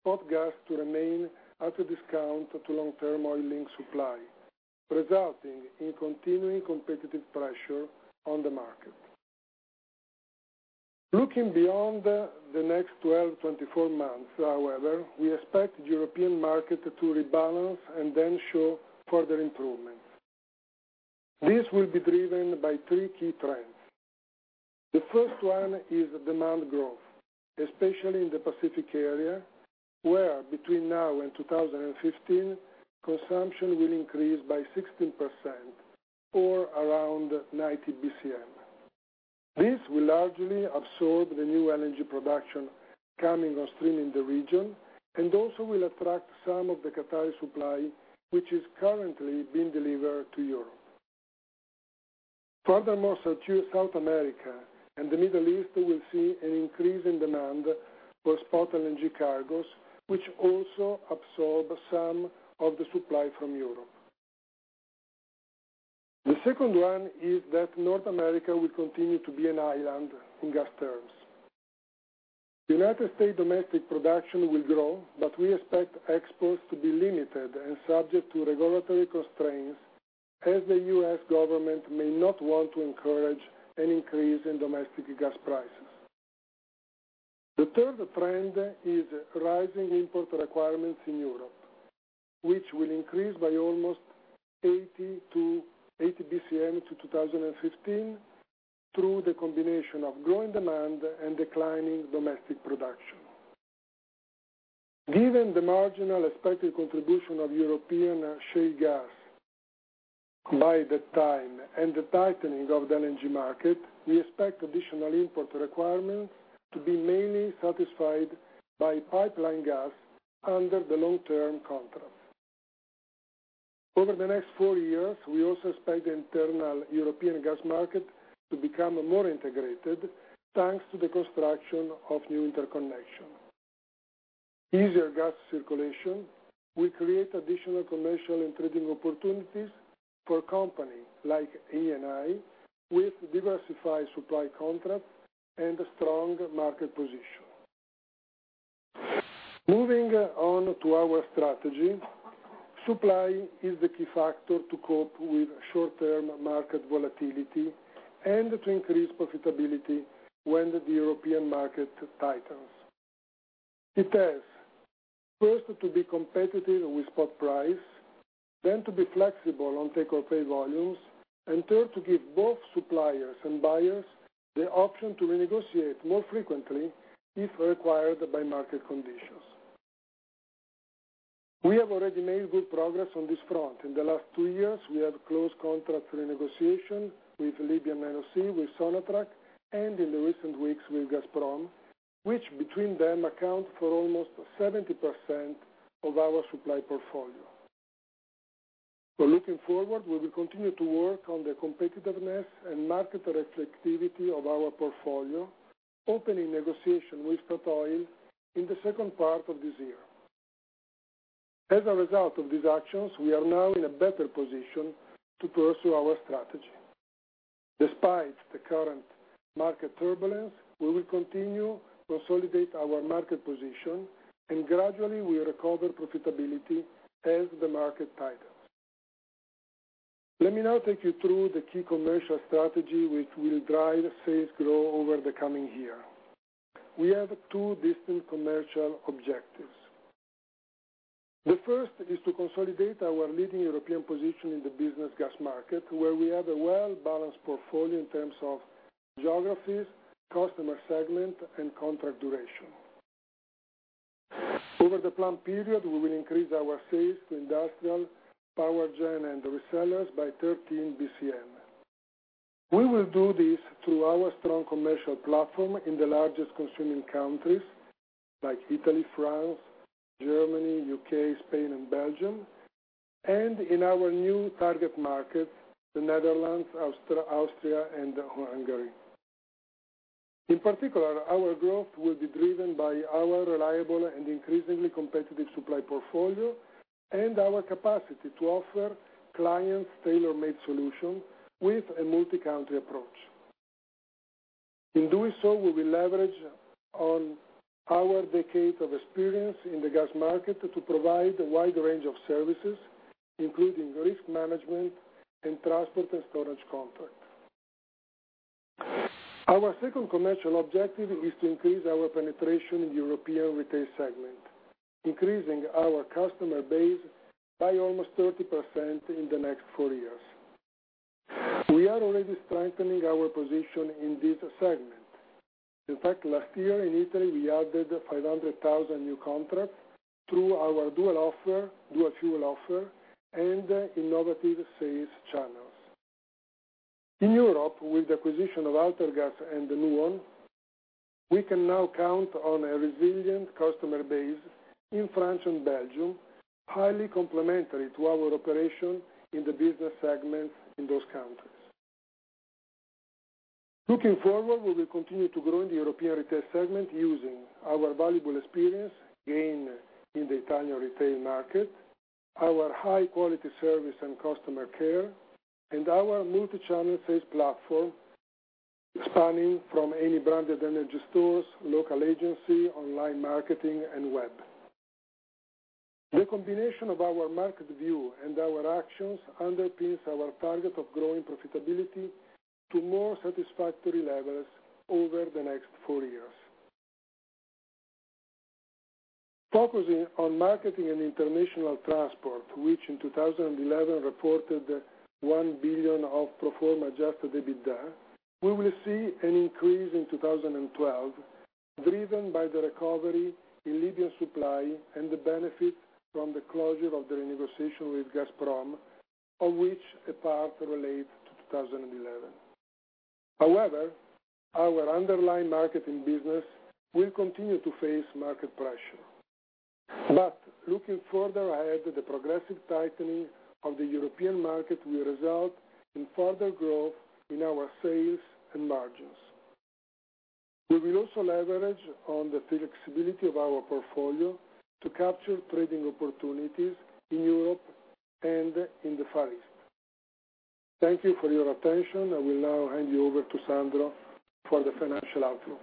spot gas to remain at a discount to long-term oil link supply, resulting in continuing competitive pressure on the market. Looking beyond the next 12-24 months, however, we expect the European market to rebalance and then show further improvements. This will be driven by three key trends. The first one is demand growth, especially in the Pacific area, where between now and 2015, consumption will increase by 16% or around 90 BCM. This will largely absorb the new LNG production coming on stream in the region and also will attract some of the Qatari supply, which is currently being delivered to Europe. Furthermore, South America and the Middle East will see an increase in demand for spot LNG cargoes, which also absorb some of the supply from Europe. The second one is that North America will continue to be an island on gas terms. The United States' domestic production will grow, but we expect exports to be limited and subject to regulatory constraints, as the U.S. government may not want to encourage an increase in domestic gas prices. The third trend is rising import requirements in Europe, which will increase by almost 80 BCM to 2015 through the combination of growing demand and declining domestic production. Given the marginal expected contribution of European shale gas by that time and the tightening of the LNG market, we expect additional import requirements to be mainly satisfied by pipeline gas under the long-term contracts. Over the next four years, we also expect the internal European gas market to become more integrated thanks to the construction of new interconnections. Easier gas circulation will create additional commercial and trading opportunities for companies like Eni with diversified supply contracts and a strong market position. Moving on to our strategy, supply is the key factor to cope with short-term market volatility and to increase profitability when the European market tightens. It has first to be competitive with spot price, then to be flexible on takeoff volumes, and third, to give both suppliers and buyers the option to renegotiate more frequently if required by market conditions. We have already made good progress on this front. In the last two years, we have closed contracts renegotiation with Libyan NOC, with Sonatrach, and in the recent weeks with Gazprom, which between them accounts for almost 70% of our supply portfolio. Looking forward, we will continue to work on the competitiveness and market reflectivity of our portfolio, opening negotiation with Statoil in the second part of this year. As a result of these actions, we are now in a better position to pursue our strategy. Despite the current market turbulence, we will continue to consolidate our market position and gradually we recover profitability as the market tightens. Let me now take you through the key commercial strategy which will drive safe growth over the coming year. We have two distinct commercial objectives. The first is to consolidate our leading European position in the business gas market, where we have a well-balanced portfolio in terms of geographies, customer segment, and contract duration. Over the planned period, we will increase our sales to industrial, power gen, and resellers by 13 billion cubic meters. We will do this through our strong commercial platform in the largest consuming countries like Italy, France, Germany, U.K., Spain, and Belgium, and in our new target market, the Netherlands, Austria, and Hungary. In particular, our growth will be driven by our reliable and increasingly competitive supply portfolio and our capacity to offer clients tailor-made solutions with a multi-country approach. In doing so, we will leverage on our decades of experience in the gas market to provide a wide range of services, including risk management and transport and storage contracts. Our second commercial objective is to increase our penetration in the European retail segment, increasing our customer base by almost 30% in the next four years. We are already strengthening our position in this segment. In fact, last year in Italy, we added 500,000 new contracts through our dual fuel offer and innovative sales channels. In Europe, with the acquisition of Altergas and Nuon, we can now count on a resilient customer base in France and Belgium, highly complementary to our operation in the business segments in those countries. Looking forward, we will continue to grow in the European retail segment using our valuable experience gained in the Italian retail market, our high-quality service and customer care, and our multi-channel sales platform stemming from Eni branded energy stores, local agency, online marketing, and web. The combination of our market view and our actions underpins our target of growing profitability to more satisfactory levels over the next four years. Focusing on marketing and international transport, which in 2011 reported €1 billion of pro forma adjusted EBITDA, we will see an increase in 2012, driven by the recovery in Libyan supply and the benefit from the closure of the renegotiation with Gazprom, of which a part relates to 2011. However, our underlying marketing business will continue to face market pressure. Looking further ahead, the progressive tightening of the European market will result in further growth in our sales and margins. We will also leverage on the flexibility of our portfolio to capture trading opportunities in Europe and in the Far East. Thank you for your attention. I will now hand you over to Sandro for the financial outlook.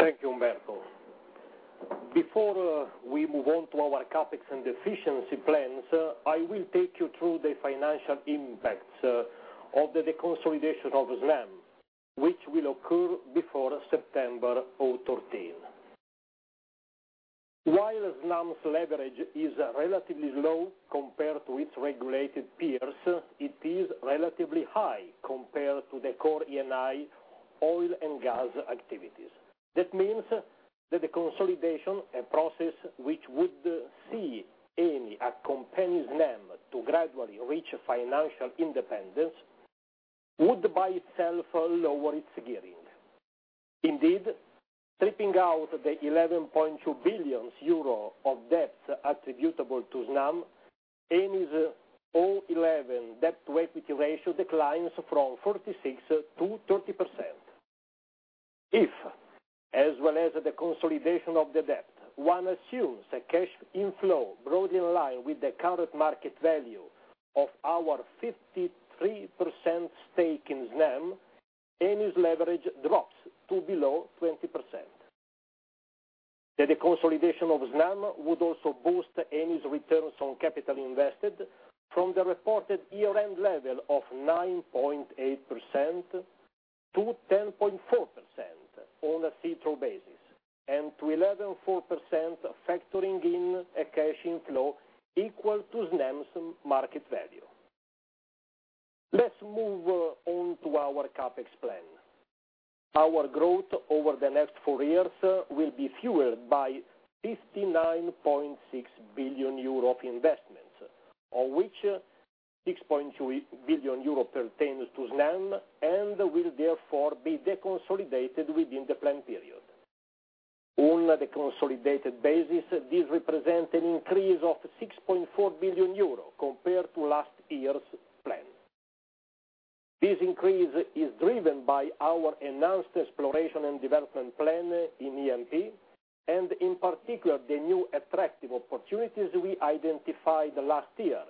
Thank you, Umberto. Before we move on to our CAPEX and efficiency plans, I will take you through the financial impacts of the consolidation of SNAM, which will occur before September 13. While SNAM's leverage is relatively low compared to its regulated peers, it is relatively high compared to the core Eni oil and gas activities. That means that the consolidation, a process which would see Eni accompany SNAM to gradually reach financial independence, would by itself lower its gearing. Indeed, stripping out the €11.2 billion of debts attributable to SNAM, Eni's 2011 debt-to-equity ratio declines from 46%-30%. If, as well as the consolidation of the debt, one assumes a cash inflow broadly in line with the current market value of our 53% stake in SNAM, Eni's leverage drops to below 20%. The consolidation of SNAM would also boost Eni's returns on capital invested from the reported year-end level of 9.8%-10.4% on a see-through basis and to 11.4%, factoring in a cash inflow equal to SNAM's market value. Let's move on to our CAPEX plan. Our growth over the next four years will be fueled by €59.6 billion of investments, of which €6.2 billion pertains to SNAM and will therefore be de-consolidated within the planned period. On a de-consolidated basis, this represents an increase of €6.4 billion compared to last year's plan. This increase is driven by our enhanced exploration and development plan in E&P and, in particular, the new attractive opportunities we identified last year,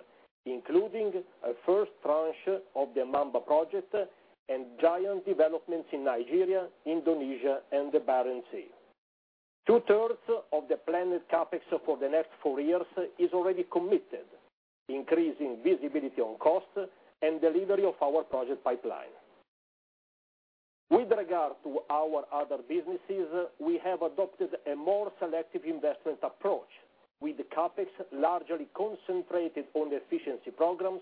including a first tranche of the Mamba project and giant developments in Nigeria, Indonesia, and the Barents Sea. Two-thirds of the planned CAPEX for the next four years is already committed, increasing visibility on cost and delivery of our project pipeline. With regard to our other businesses, we have adopted a more selective investment approach, with CAPEX largely concentrated on efficiency programs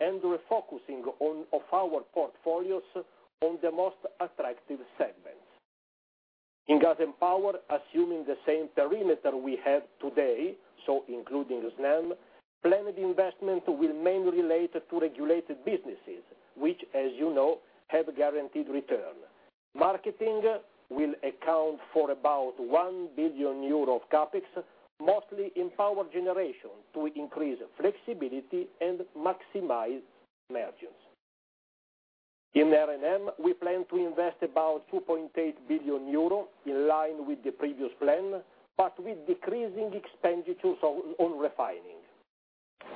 and refocusing of our portfolios on the most attractive segments. In gas and power, assuming the same perimeter we have today, so including SNAM, planned investment will mainly relate to regulated businesses, which, as you know, have guaranteed return. Marketing will account for about €1 billion of CAPEX, mostly in power generation, to increase flexibility and maximize margins. In R&M, we plan to invest about €2.8 billion in line with the previous plan, but with decreasing expenditures on refining.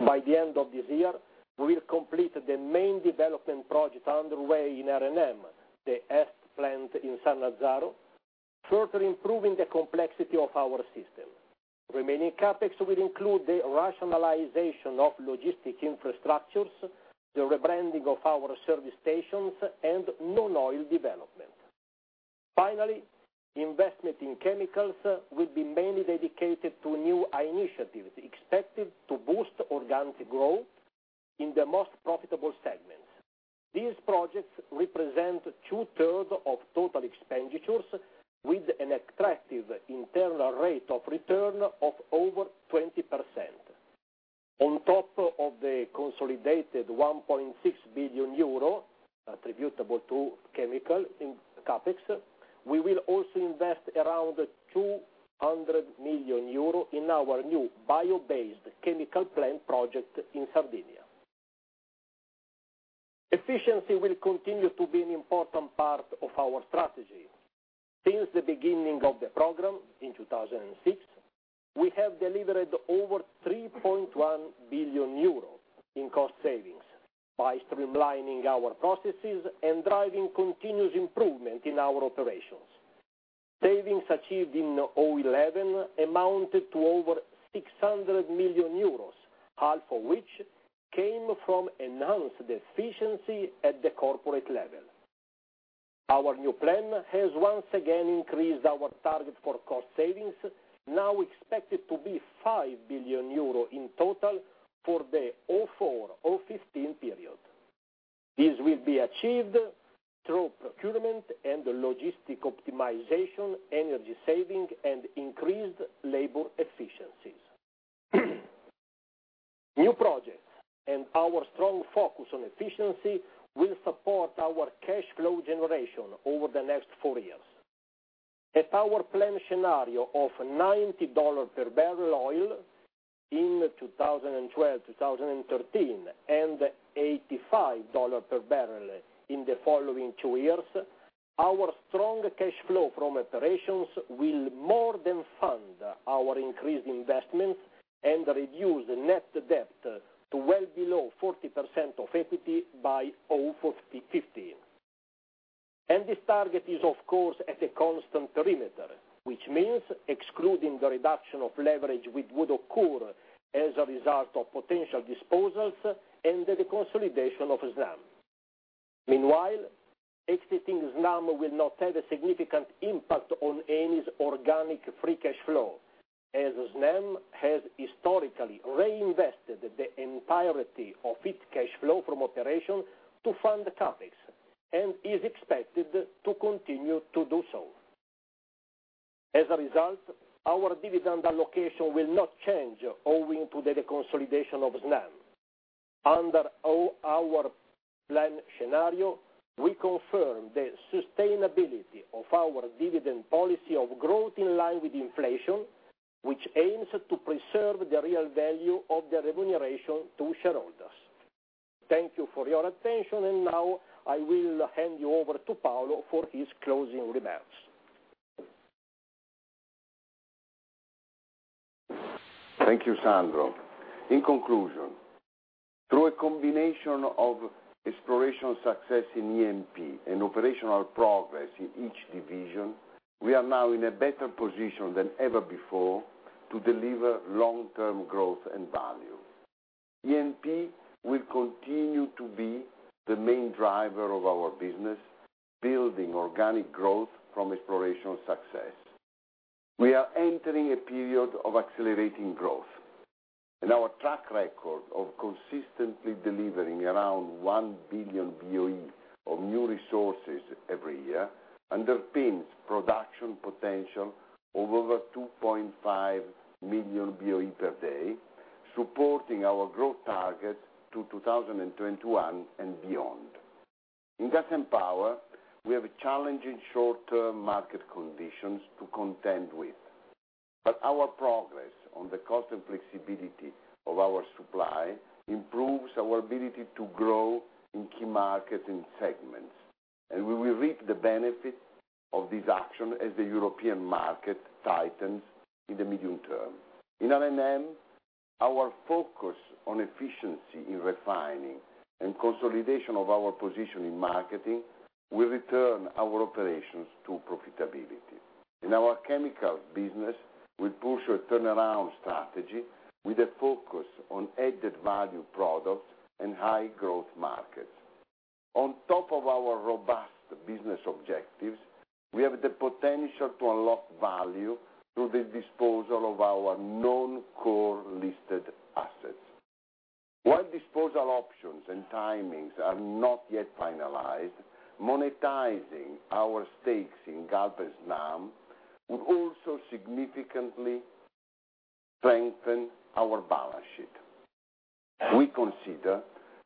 By the end of this year, we will complete the main development project underway in R&M, the EST plant in San Lazzaro, further improving the complexity of our system. Remaining CAPEX will include the rationalization of logistic infrastructures, the rebranding of our service stations, and non-oil development. Finally, investment in chemicals will be mainly dedicated to new initiatives expected to boost organic growth in the most profitable segments. These projects represent two-thirds of total expenditures, with an attractive internal rate of return of over 20%. On top of the consolidated €1.6 billion attributable to chemical in CAPEX, we will also invest around €200 million in our new bio-based chemical plant project in Sardinia. Efficiency will continue to be an important part of our strategy. Since the beginning of the program in 2006, we have delivered over €3.1 billion in cost savings by streamlining our processes and driving continuous improvement in our operations. Savings achieved in 2011 amounted to over €600 million, half of which came from enhanced efficiency at the corporate level. Our new plan has once again increased our target for cost savings, now expected to be €5 billion in total for the 2004-2015 period. This will be achieved through procurement and logistic optimization, energy saving, and increased labor efficiencies. New projects and our strong focus on efficiency will support our cash flow generation over the next four years. At our planned scenario of $90 per barrel oil in 2012-2013 and $85 per barrel in the following two years, our strong cash flow from operations will more than fund our increased investments and reduce net debt to well below 40% of equity by 2015. This target is, of course, at a constant perimeter, which means excluding the reduction of leverage which would occur as a result of potential disposals and the consolidation of SNAM. Meanwhile, exiting SNAM will not have a significant impact on Eni's organic free cash flow, as SNAM has historically reinvested the entirety of its cash flow from operation to fund CAPEX and is expected to continue to do so. As a result, our dividend allocation will not change owing to the consolidation of SNAM. Under our planned scenario, we confirm the sustainability of our dividend policy of growth in line with inflation, which aims to preserve the real value of the remuneration to shareholders. Thank you for your attention. Now I will hand you over to Paolo for his closing remarks. Thank you, Sandro. In conclusion, through a combination of exploration success in E&P and operational progress in each division, we are now in a better position than ever before to deliver long-term growth and value. E&P will continue to be the main driver of our business, building organic growth from exploration success. We are entering a period of accelerating growth, and our track record of consistently delivering around 1 billion BOE of new resources every year underpins production potential of over 2.5 million BOE per day, supporting our growth targets to 2021 and beyond. In gas and power, we have challenging short-term market conditions to contend with. Our progress on the cost and flexibility of our supply improves our ability to grow in key markets and segments, and we will reap the benefit of these actions as the European market tightens in the medium term. In R&M, our focus on efficiency in refining and consolidation of our position in marketing will return our operations to profitability. In our chemical business, we'll push a turnaround strategy with a focus on added value products and high-growth markets. On top of our robust business objectives, we have the potential to unlock value through the disposal of our non-core listed assets. While disposal options and timings are not yet finalized, monetizing our stakes in GALP and SNAM would also significantly strengthen our balance sheet. We consider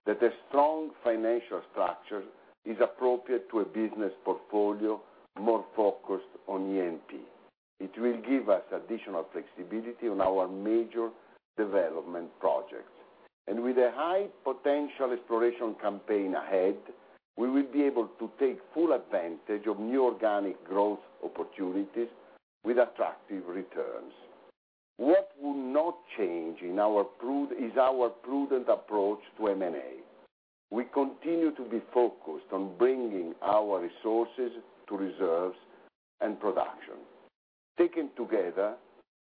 that a strong financial structure is appropriate to a business portfolio more focused on E&P. It will give us additional flexibility on our major development projects. With a high potential exploration campaign ahead, we will be able to take full advantage of new organic growth opportunities with attractive returns. What will not change is our prudent approach to M&A, we continue to be focused on bringing our resources to reserves and production. Taken together,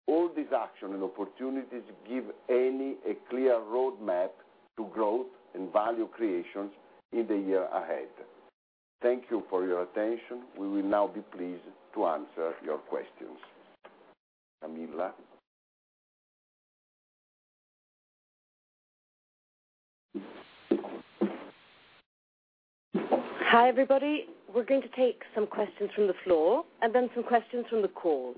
all these actions and opportunities give Eni a clear roadmap to growth and value creation in the year ahead. Thank you for your attention. We will now be pleased to answer your questions. Camilla. Hi, everybody. We're going to take some questions from the floor and then some questions from the call.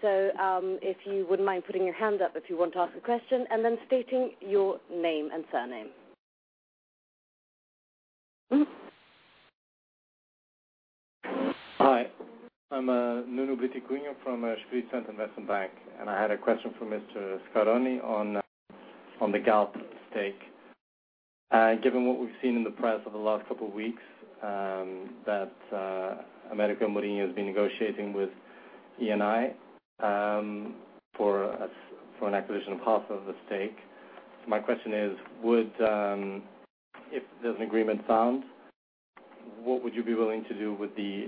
If you wouldn't mind putting your hand up if you want to ask a question and then stating your name and surname. Hi. I'm Nuno Briticunha from Spirit Centre Investment Bank, and I had a question for Mr. Scaroni on the GALP stake. Given what we've seen in the press over the last couple of weeks that Americo Amorim has been negotiating with Eni for an acquisition of half of the stake, my question is, if there's an agreement signed, what would you be willing to do with the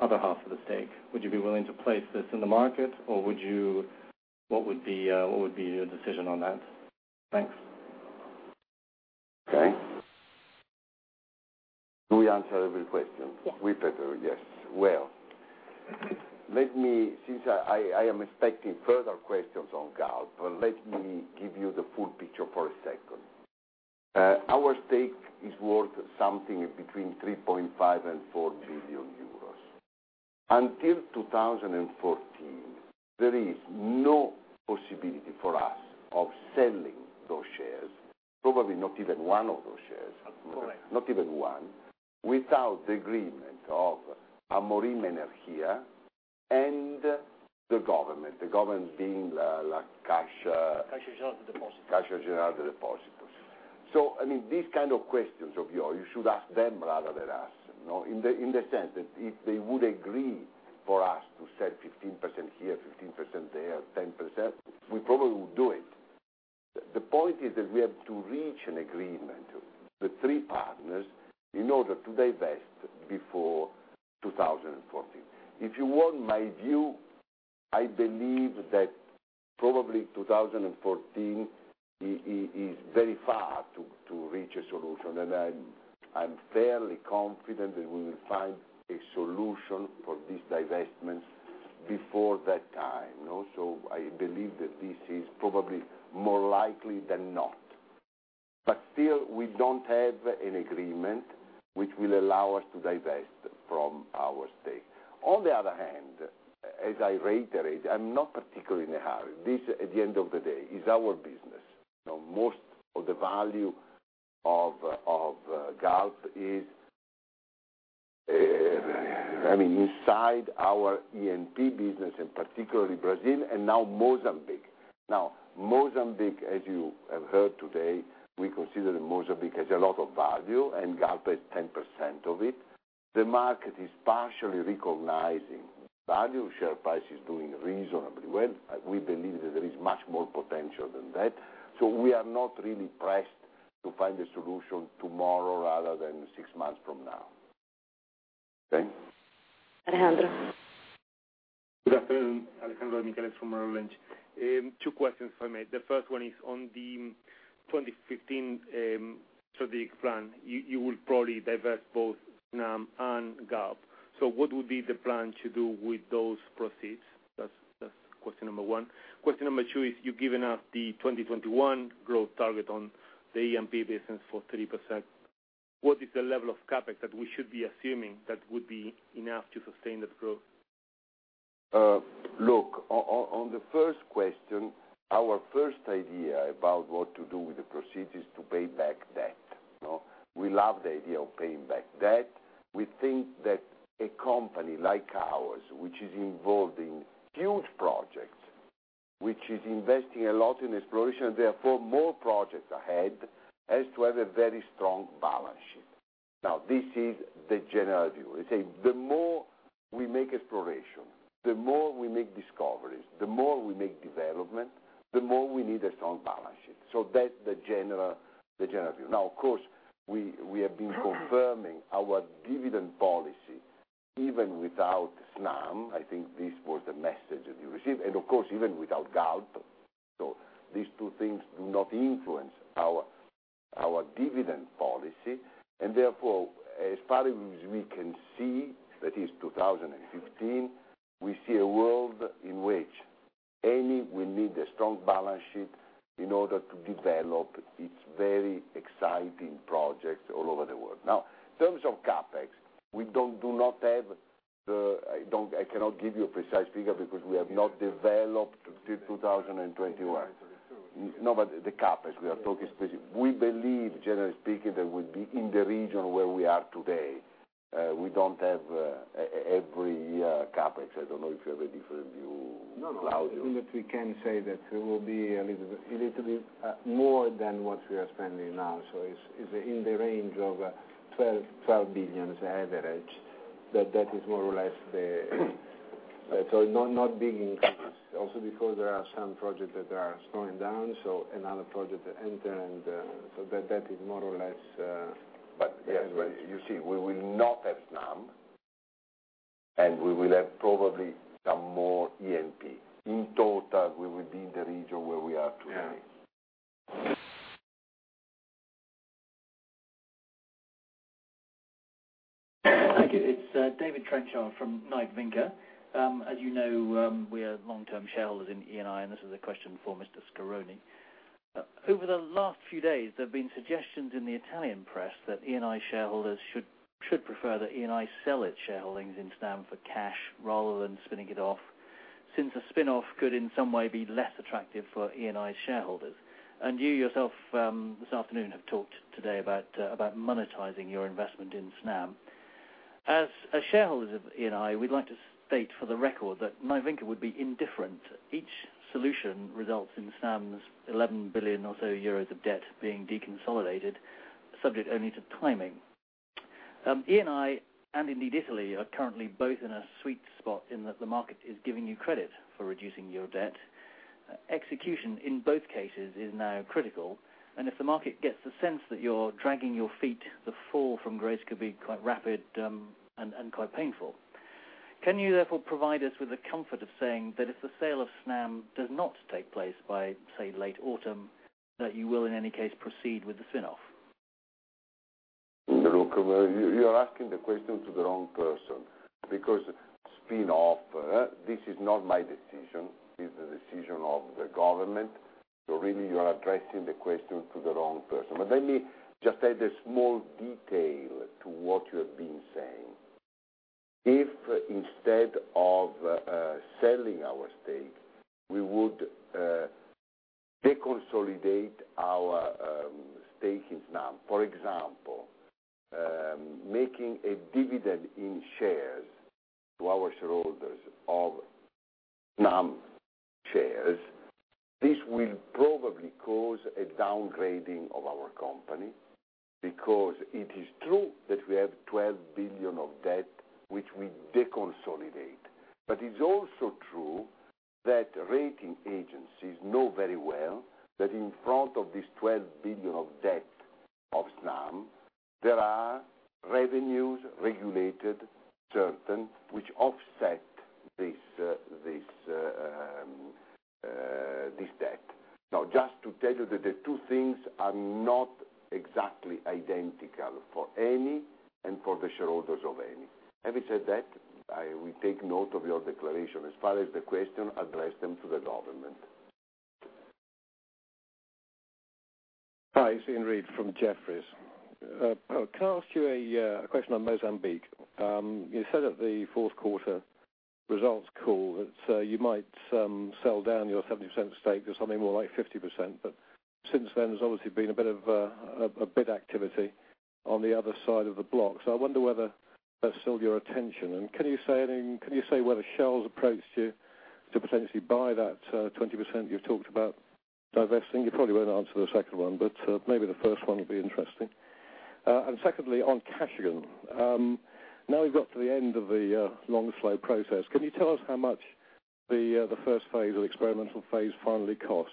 other half of the stake? Would you be willing to place this in the market, or would you? What would be your decision on that? Thanks. Okay, do we answer every question? Yes. We've had. Yes, let me, since I am expecting further questions on GALP, give you the full picture for a second. Our stake is worth something in between €3.5 billion and €4 billion. Until 2014, there is no possibility for us of selling those shares, probably not even one of those shares. Correct. Not even one, without the agreement of Amorim Energia and the government, the government being the Caixa de Depósitos. These kinds of questions of yours, you should ask them rather than us. In the sense that if they would agree for us to sell 15% here, 15% there, 10%, we probably would do it. The point is that we have to reach an agreement with three partners in order to divest before 2014. If you want my view, I believe that probably 2014 is very far to reach a solution, and I'm fairly confident that we will find a solution for these divestments before that time. I believe that this is probably more likely than not. Still, we don't have an agreement which will allow us to divest from our stake. On the other hand, as I reiterate, I'm not particularly in a hurry. This, at the end of the day, is our business. Most of the value of GALP is running inside our E&P business, and particularly Brazil, and now Mozambique. Now, Mozambique, as you have heard today, we consider that Mozambique has a lot of value, and GALP has 10% of it. The market is partially recognizing value. Share price is doing reasonably well. We believe that there is much more potential than that. We are not really pressed to find a solution tomorrow rather than six months from now. Okay? Alejandro. Good afternoon. Alejandro Demichellis from Merrill Lynch. Two questions if I may. The first one is on the 2015 strategic plan. You will probably divest both SNAM and GALP. What would be the plan to do with those proceeds? That's question number one. Question number two is, you've given us the 2021 growth target on the E&P business for 30%. What is the level of CapEx that we should be assuming that would be enough to sustain that growth? Look, on the first question, our first idea about what to do with the proceeds is to pay back debt. We love the idea of paying back debt. We think that a company like ours, which is involved in huge projects, which is investing a lot in exploration, and therefore more projects ahead, has to have a very strong balance sheet. This is the general view. They say the more we make exploration, the more we make discoveries, the more we make development, the more we need a strong balance sheet. That is the general view. Of course, we have been confirming our dividend policy even without NAM. I think this was the message that you received. Of course, even without GALP. These two things do not influence our dividend policy. Therefore, as far as we can see, that is 2015, we see a world in which Eni will need a strong balance sheet in order to develop its very exciting projects all over the world. In terms of CapEx, I cannot give you a precise figure because we have not developed the 2021. No, but the CapEx, we are talking specifically. We believe, generally speaking, that it would be in the region where we are today. We don't have every CapEx. I don't know if you have a different view, Claudio. No, no. I think that we can say that it will be a little bit more than what we are spending now. It's in the range of $12 billion as an average. That is more or less the, that's all. Not big increments. Also, because there are some projects that are slowing down, another project entering, so that is more or less. Yes, you see, we will not have SNAM, and we will have probably some more E&P. In total, we will be in the region where we are today. Yeah. David Trenchard from Knight Vinke. As you know, we are long-term shareholders in Eni, and this is a question for Mr. Scaroni. Over the last few days, there have been suggestions in the Italian press that Eni shareholders should prefer that Eni sell its shareholdings in SNAM for cash rather than spinning it off, since a spin-off could in some way be less attractive for Eni's shareholders. You yourself, this afternoon, have talked today about monetizing your investment in SNAM. As shareholders of Eni, we'd like to state for the record that Knight Vinke would be indifferent. Each solution results in SNAM's €11 billion or so of debt being deconsolidated, subject only to timing. Eni and indeed Italy are currently both in a sweet spot in that the market is giving you credit for reducing your debt. Execution in both cases is now critical, and if the market gets the sense that you're dragging your feet, the fall from grace could be quite rapid and quite painful. Can you therefore provide us with the comfort of saying that if the sale of SNAM does not take place by, say, late autumn, that you will in any case proceed with the spin-off? You are asking the question to the wrong person because spin-off, this is not my decision. It is the decision of the government. You are addressing the question to the wrong person. Let me just add a small detail to what you have been saying. If instead of selling our stake, we would deconsolidate our stake in SNAM, for example, making a dividend in shares to our shareholders of SNAM shares, this will probably cause a downgrading of our company because it is true that we have $12 billion of debt, which we deconsolidate. It is also true that rating agencies know very well that in front of this $12 billion of debt of SNAM, there are revenues regulated, certain, which offset this debt. Just to tell you that the two things are not exactly identical for Eni and for the shareholders of Eni. Having said that, I will take note of your declaration. As far as the question, address them to the government. Hi. It's Iain Reid from Jefferies. I want to ask you a question on Mozambique. You said at the fourth quarter results call that you might sell down your 70% stake to something more like 50%. Since then, there's obviously been a bit of bid activity on the other side of the block. I wonder whether that's still your intention. Can you say whether Shell has approached you to potentially buy that 20% you've talked about divesting? You probably won't answer the second one, but maybe the first one would be interesting. Secondly, on Kashagan, now we've got to the end of the long slow process. Can you tell us how much the first phase, the experimental phase, finally cost?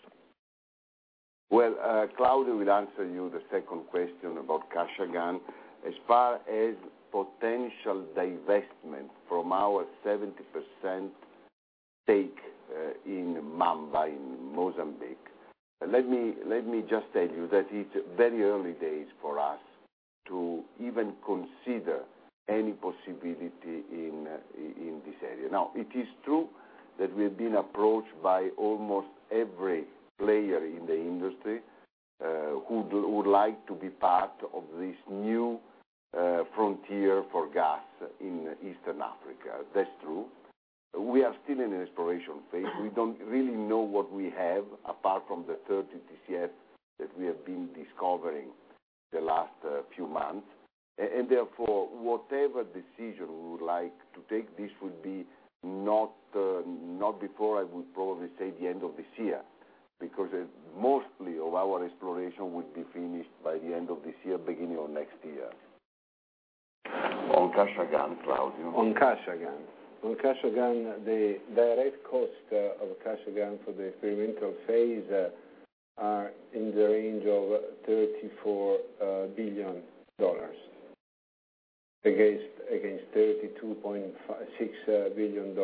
Claudio, I'll answer you the second question about Kashagan. As far as potential divestment from our 70% stake in Mamba in Mozambique, let me just tell you that it's very early days for us to even consider any possibility in this area. It is true that we have been approached by almost every player in the industry who would like to be part of this new frontier for gas in Eastern Africa. That's true. We are still in an exploration phase. We don't really know what we have apart from the 30 TCF that we have been discovering the last few months. Therefore, whatever decision we would like to take, this would be not before I would probably say the end of this year because most of our exploration would be finished by the end of this year, beginning of next year. On Kashagan, Claudio. On Kashagan. On Kashagan, the direct cost of Kashagan for the experimental phase are in the range of $34 billion against $32.6 billion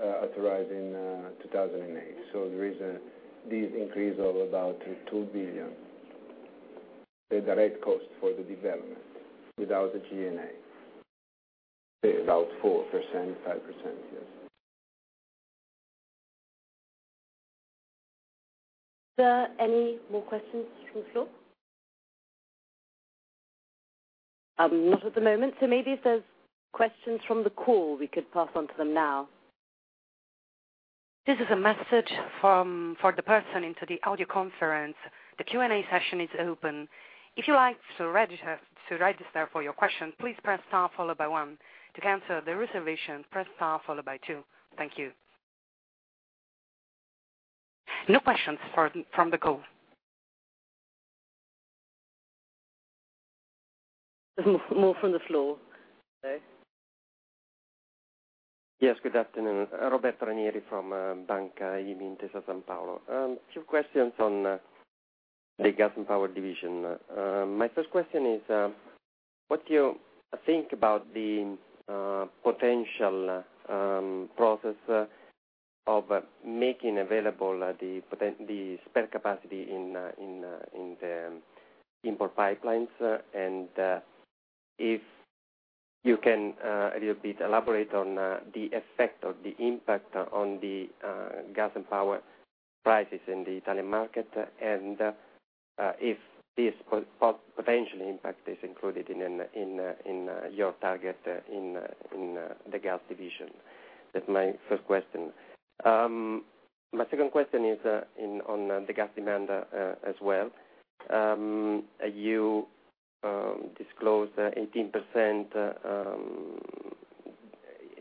authorized in 2008. There is an increase of about $2 billion. The direct cost for the development without the GNA, about 4%, 5%. Any more questions before we close? Not at the moment. Maybe if there's questions from the call, we could pass on to them now. This is a message for the person in the audio conference. The Q&A session is open. If you would like to register for your question, please press star followed by one. To cancel the reservation, press star followed by two. Thank you. No questions from the call. More from the floor, though. Yes, good afternoon. Roberto Ranieri from Banca Intesa Sanpaolo. A few questions on the Gas and Power division. My first question is, what do you think about the potential process of making available the spare capacity in the import pipelines? If you can, a little bit elaborate on the effect or the impact on the gas and power prices in the Italian market, and if this potential impact is included in your target in the gas division. That's my first question. My second question is on the gas demand as well. You disclosed 18%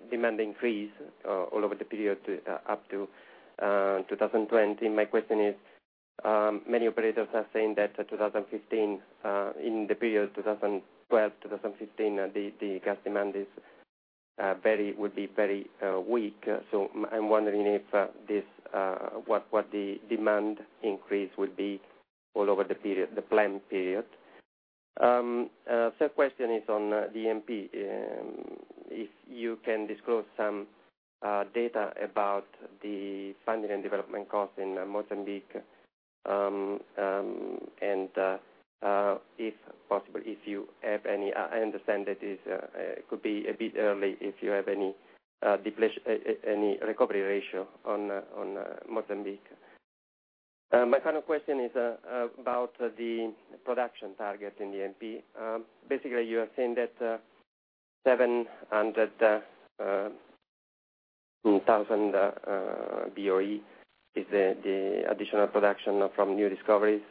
demand increase all over the period up to 2020. My question is, many operators are saying that in the period 2012-2015, the gas demand would be very weak. I'm wondering what the demand increase would be all over the planned period. The third question is on the E&P. If you can disclose some data about the funding and development cost in Mozambique, and if possible, if you have any. I understand that it could be a bit early if you have any recovery ratio on Mozambique. My final question is about the production target in the E&P. Basically, you are saying that 700,000 BOE is the additional production from new discoveries.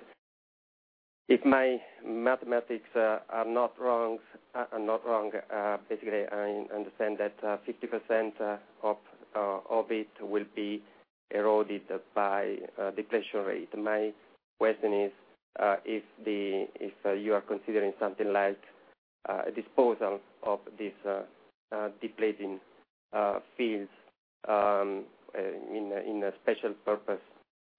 If my mathematics are not wrong, I understand that 50% of it will be eroded by the depletion rate. My question is, if you are considering something like a disposal of these depleting fields in special purpose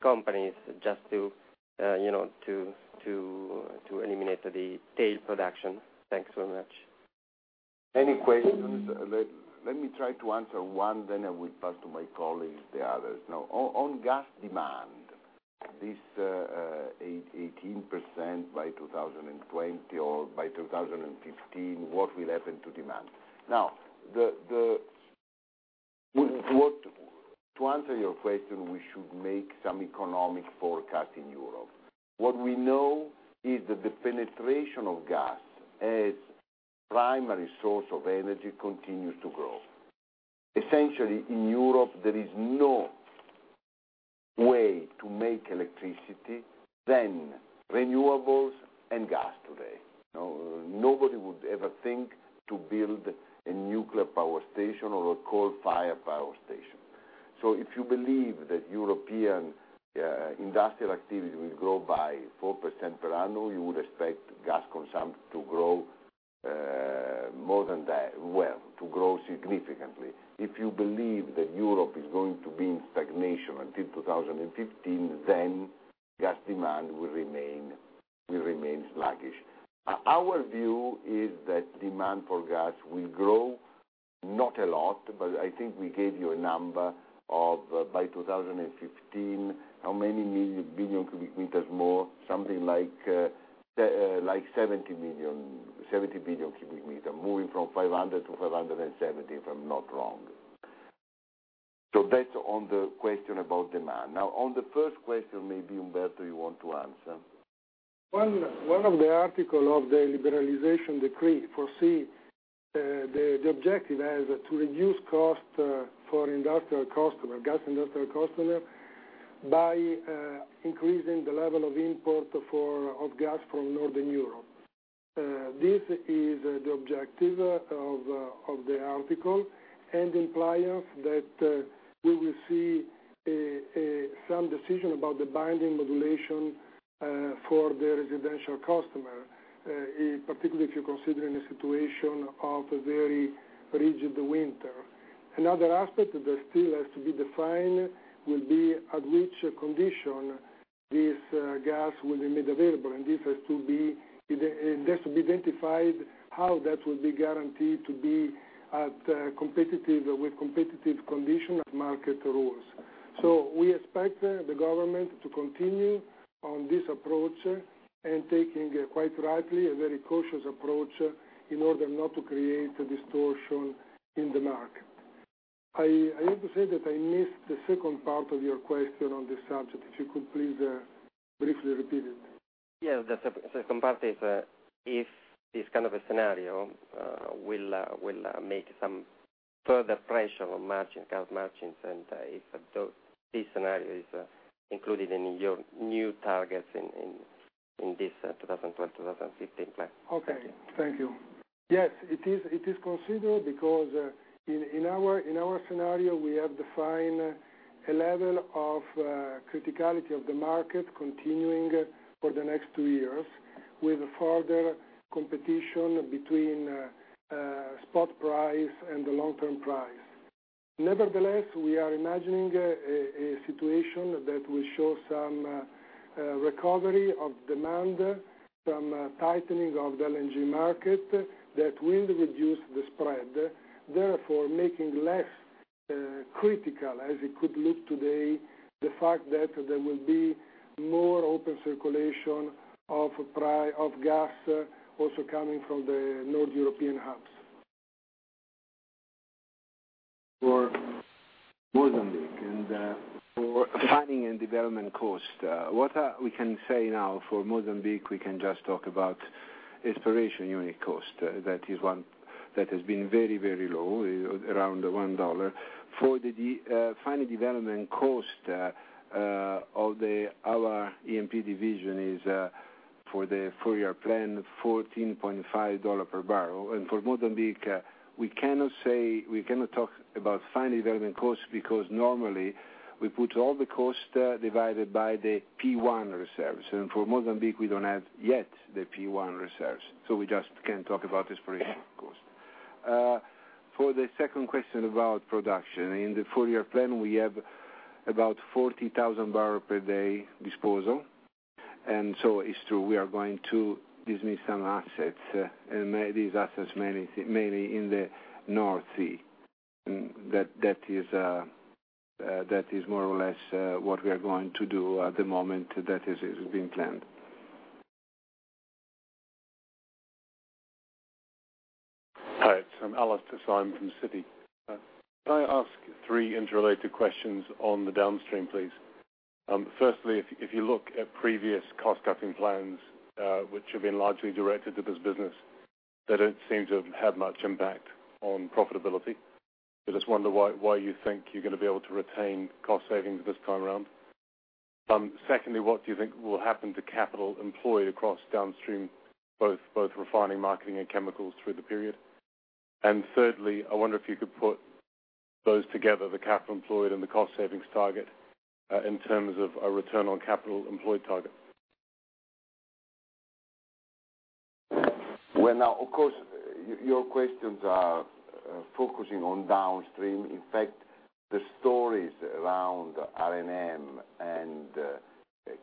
companies just to eliminate the tail production. Thanks very much. Many questions. Let me try to answer one, then I will pass to my colleagues the others. On gas demand, this 18% by 2020 or by 2015, what will happen to demand? To answer your question, we should make some economic forecast in Europe. What we know is that the penetration of gas as a primary source of energy continues to grow. Essentially, in Europe, there is no way to make electricity other than renewables and gas today. Nobody would ever think to build a nuclear power station or a coal-fired power station. If you believe that European industrial activity will grow by 4% per annum, you would expect gas consumption to grow more than that, to grow significantly. If you believe that Europe is going to be in stagnation until 2015, gas demand will remain sluggish. Our view is that demand for gas will grow, not a lot, but I think we gave you a number of by 2015, how many million cubic meters more, something like 70 billion cubic meters, moving from 500 to 570, if I'm not wrong. That's on the question about demand. On the first question, maybe, Umberto, you want to answer? One of the articles of the liberalization decree foresees the objective as to reduce cost for industrial customers, gas industrial customers, by increasing the level of import of gas from Northern Europe. This is the objective of the article and implies that we will see some decision about the binding modulation for the residential customer, particularly if you're considering a situation of a very rigid winter. Another aspect that still has to be defined will be at which condition this gas will be made available. This has to be identified, how that will be guaranteed to be at competitive conditions. Market rules. We expect the government to continue on this approach and taking quite rightly a very cautious approach in order not to create a distortion in the market. I have to say that I missed the second part of your question on this subject. If you could please briefly repeat it. Yeah, the second part is if this kind of a scenario will make some further pressure on margins, gas margins, and if this scenario is included in your new targets in this 2012-2015 plan? Okay. Thank you. Yes, it is considered because in our scenario, we have defined a level of criticality of the market continuing for the next two years with a further competition between spot price and the long-term price. Nevertheless, we are imagining a situation that will show some recovery of demand, some tightening of the LNG market that will reduce the spread. Therefore, making less critical as it could look today the fact that there will be more open circulation of gas also coming from the North European hubs. For Mozambique and for the planning and development cost, what we can say now for Mozambique, we can just talk about the exploration unit cost. That is one that has been very, very low, around $1. For the final development cost of our E&P division is for the four-year plan, $14.5 per barrel. For Mozambique, we cannot say we cannot talk about final development costs because normally, we put all the costs divided by the P1 reserves. For Mozambique, we don't have yet the P1 reserves. We just can't talk about the exploration cost. For the second question about production, in the four-year plan, we have about 40,000 barrels per day disposal. It's true, we are going to dismiss some assets, and these assets mainly in the North Sea. That is more or less what we are going to do at the moment. That is a green plan. Hi. It's Alastair Simon from Citi. Can I ask three interrelated questions on the downstream, please? Firstly, if you look at previous cost-cutting plans, which have been largely directed to this business, they don't seem to have had much impact on profitability. I just wonder why you think you're going to be able to retain cost savings this time around. Secondly, what do you think will happen to capital employed across downstream, both refining, marketing, and chemicals through the period? Thirdly, I wonder if you could put those together, the capital employed and the cost savings target, in terms of a return on capital employed target. Of course, your questions are focusing on downstream. In fact, the stories around R&M and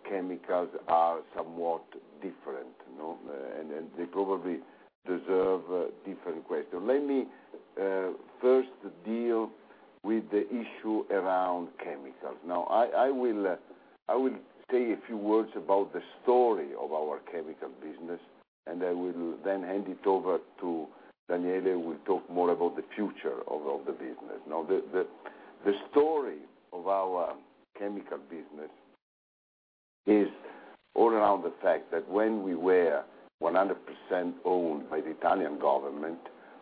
chemicals are somewhat different, and they probably deserve different questions. Let me first deal with the issue around chemicals. I will say a few words about the story of our chemical business, and I will then hand it over to Daniele, who will talk more about the future of the business. The story of our chemical business is all around the fact that when we were 100% owned by the Italian government,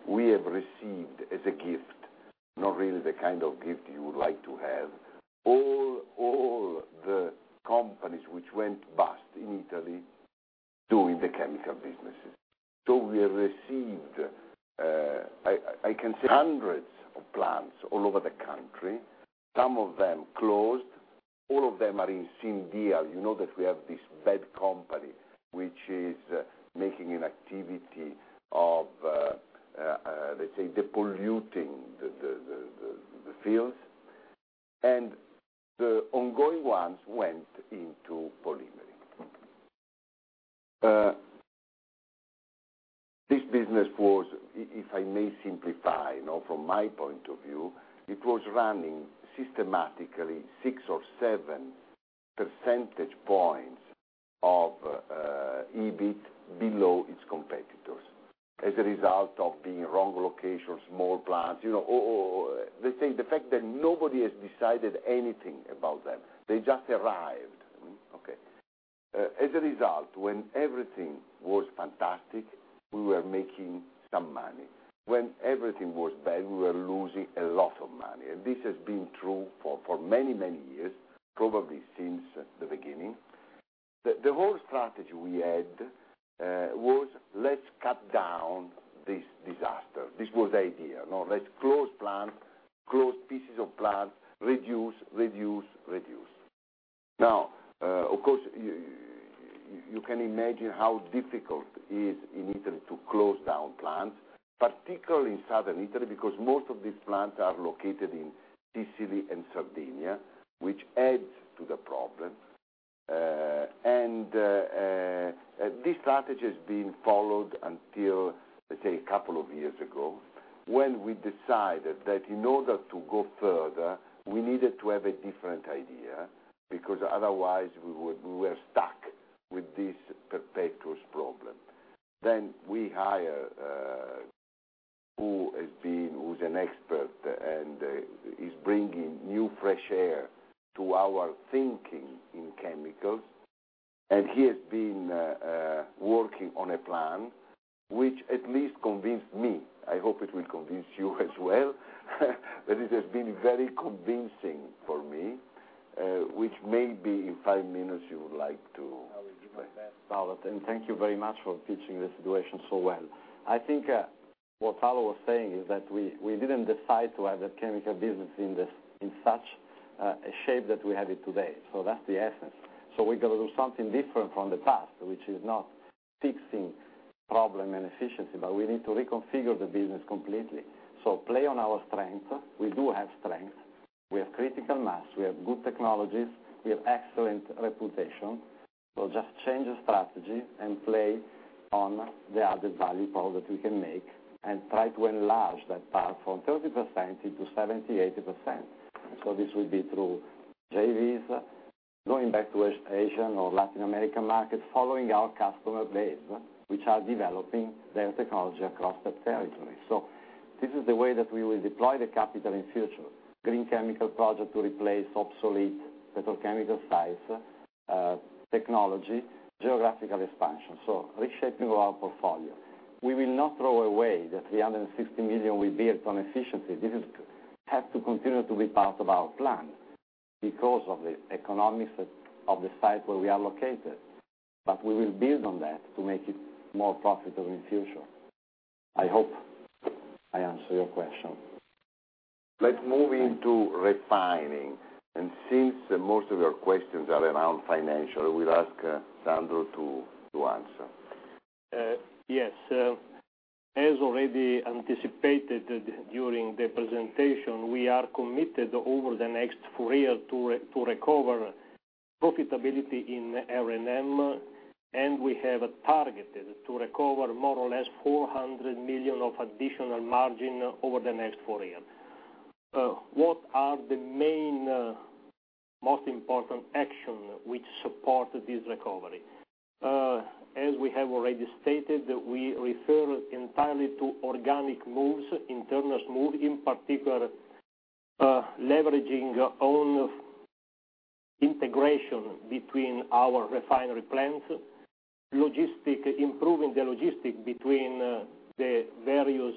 we have received as a gift, not really the kind of gift you would like to have, all the companies which went bust in Italy doing the chemical businesses. We have received, I can say, hundreds of plants all over the country. Some of them closed. All of them are in Sindier. You know that we have this bad company, which is making an activity of, let's say, depolluting the fields. The ongoing ones went into polymery. This business was, if I may simplify, from my point of view, running systematically six or seven percentage points of EBIT below its competitors as a result of being wrong locations, small plants. You know, the fact that nobody has decided anything about them. They just arrived. As a result, when everything was fantastic, we were making some money. When everything was bad, we were losing a lot of money. This has been true for many, many years, probably since the beginning. The whole strategy we had was, let's cut down this disaster. This was the idea. No, let's close plants, close pieces of plants, reduce, reduce, reduce. Of course, you can imagine how difficult it is in Italy to close down plants, particularly in southern Italy, because most of these plants are located in Sicily and Sardinia, which adds to the problem. This strategy has been followed until, let's say, a couple of years ago when we decided that in order to go further, we needed to have a different idea because otherwise, we were stuck with this perpetual problem. We hired who has been, who's an expert and is bringing new fresh air to our thinking in chemicals. He has been working on a plan which at least convinced me. I hope it will convince you as well. It has been very convincing for me, which maybe in five minutes you would like to. Thank you very much for pitching the situation so well. I think what Paolo was saying is that we didn't decide to have the chemical business in such a shape that we have it today. That's the essence. We've got to do something different from the past, which is not fixing problems and efficiency, but we need to reconfigure the business completely. Play on our strengths. We do have strengths. We have critical mass. We have good technologies. We have excellent reputation. We'll just change the strategy and play on the added value power that we can make and try to enlarge that part from 30% into 70, 80%. This would be through JVs, going back to Asian or Latin American markets, following our customer base, which are developing their technology across that territory. This is the way that we will deploy the capital in the future. Green chemical project to replace obsolete petrochemical sites technology, geographical expansion. Reshaping our portfolio. We will not throw away the $360 million we built on efficiency. This has to continue to be part of our plan because of the economics of the site where we are located. We will build on that to make it more profitable in the future. I hope I answered your question. Let's move into refining. Since most of your questions are around financial, we'll ask Sandro to answer. Yes. As already anticipated during the presentation, we are committed over the next four years to recover profitability in R&M, and we have targeted to recover more or less €400 million of additional margin over the next four years. What are the main most important actions which support this recovery? As we have already stated, we refer entirely to organic moves, internal moves, in particular leveraging on integration between our refinery plants, improving the logistics between the various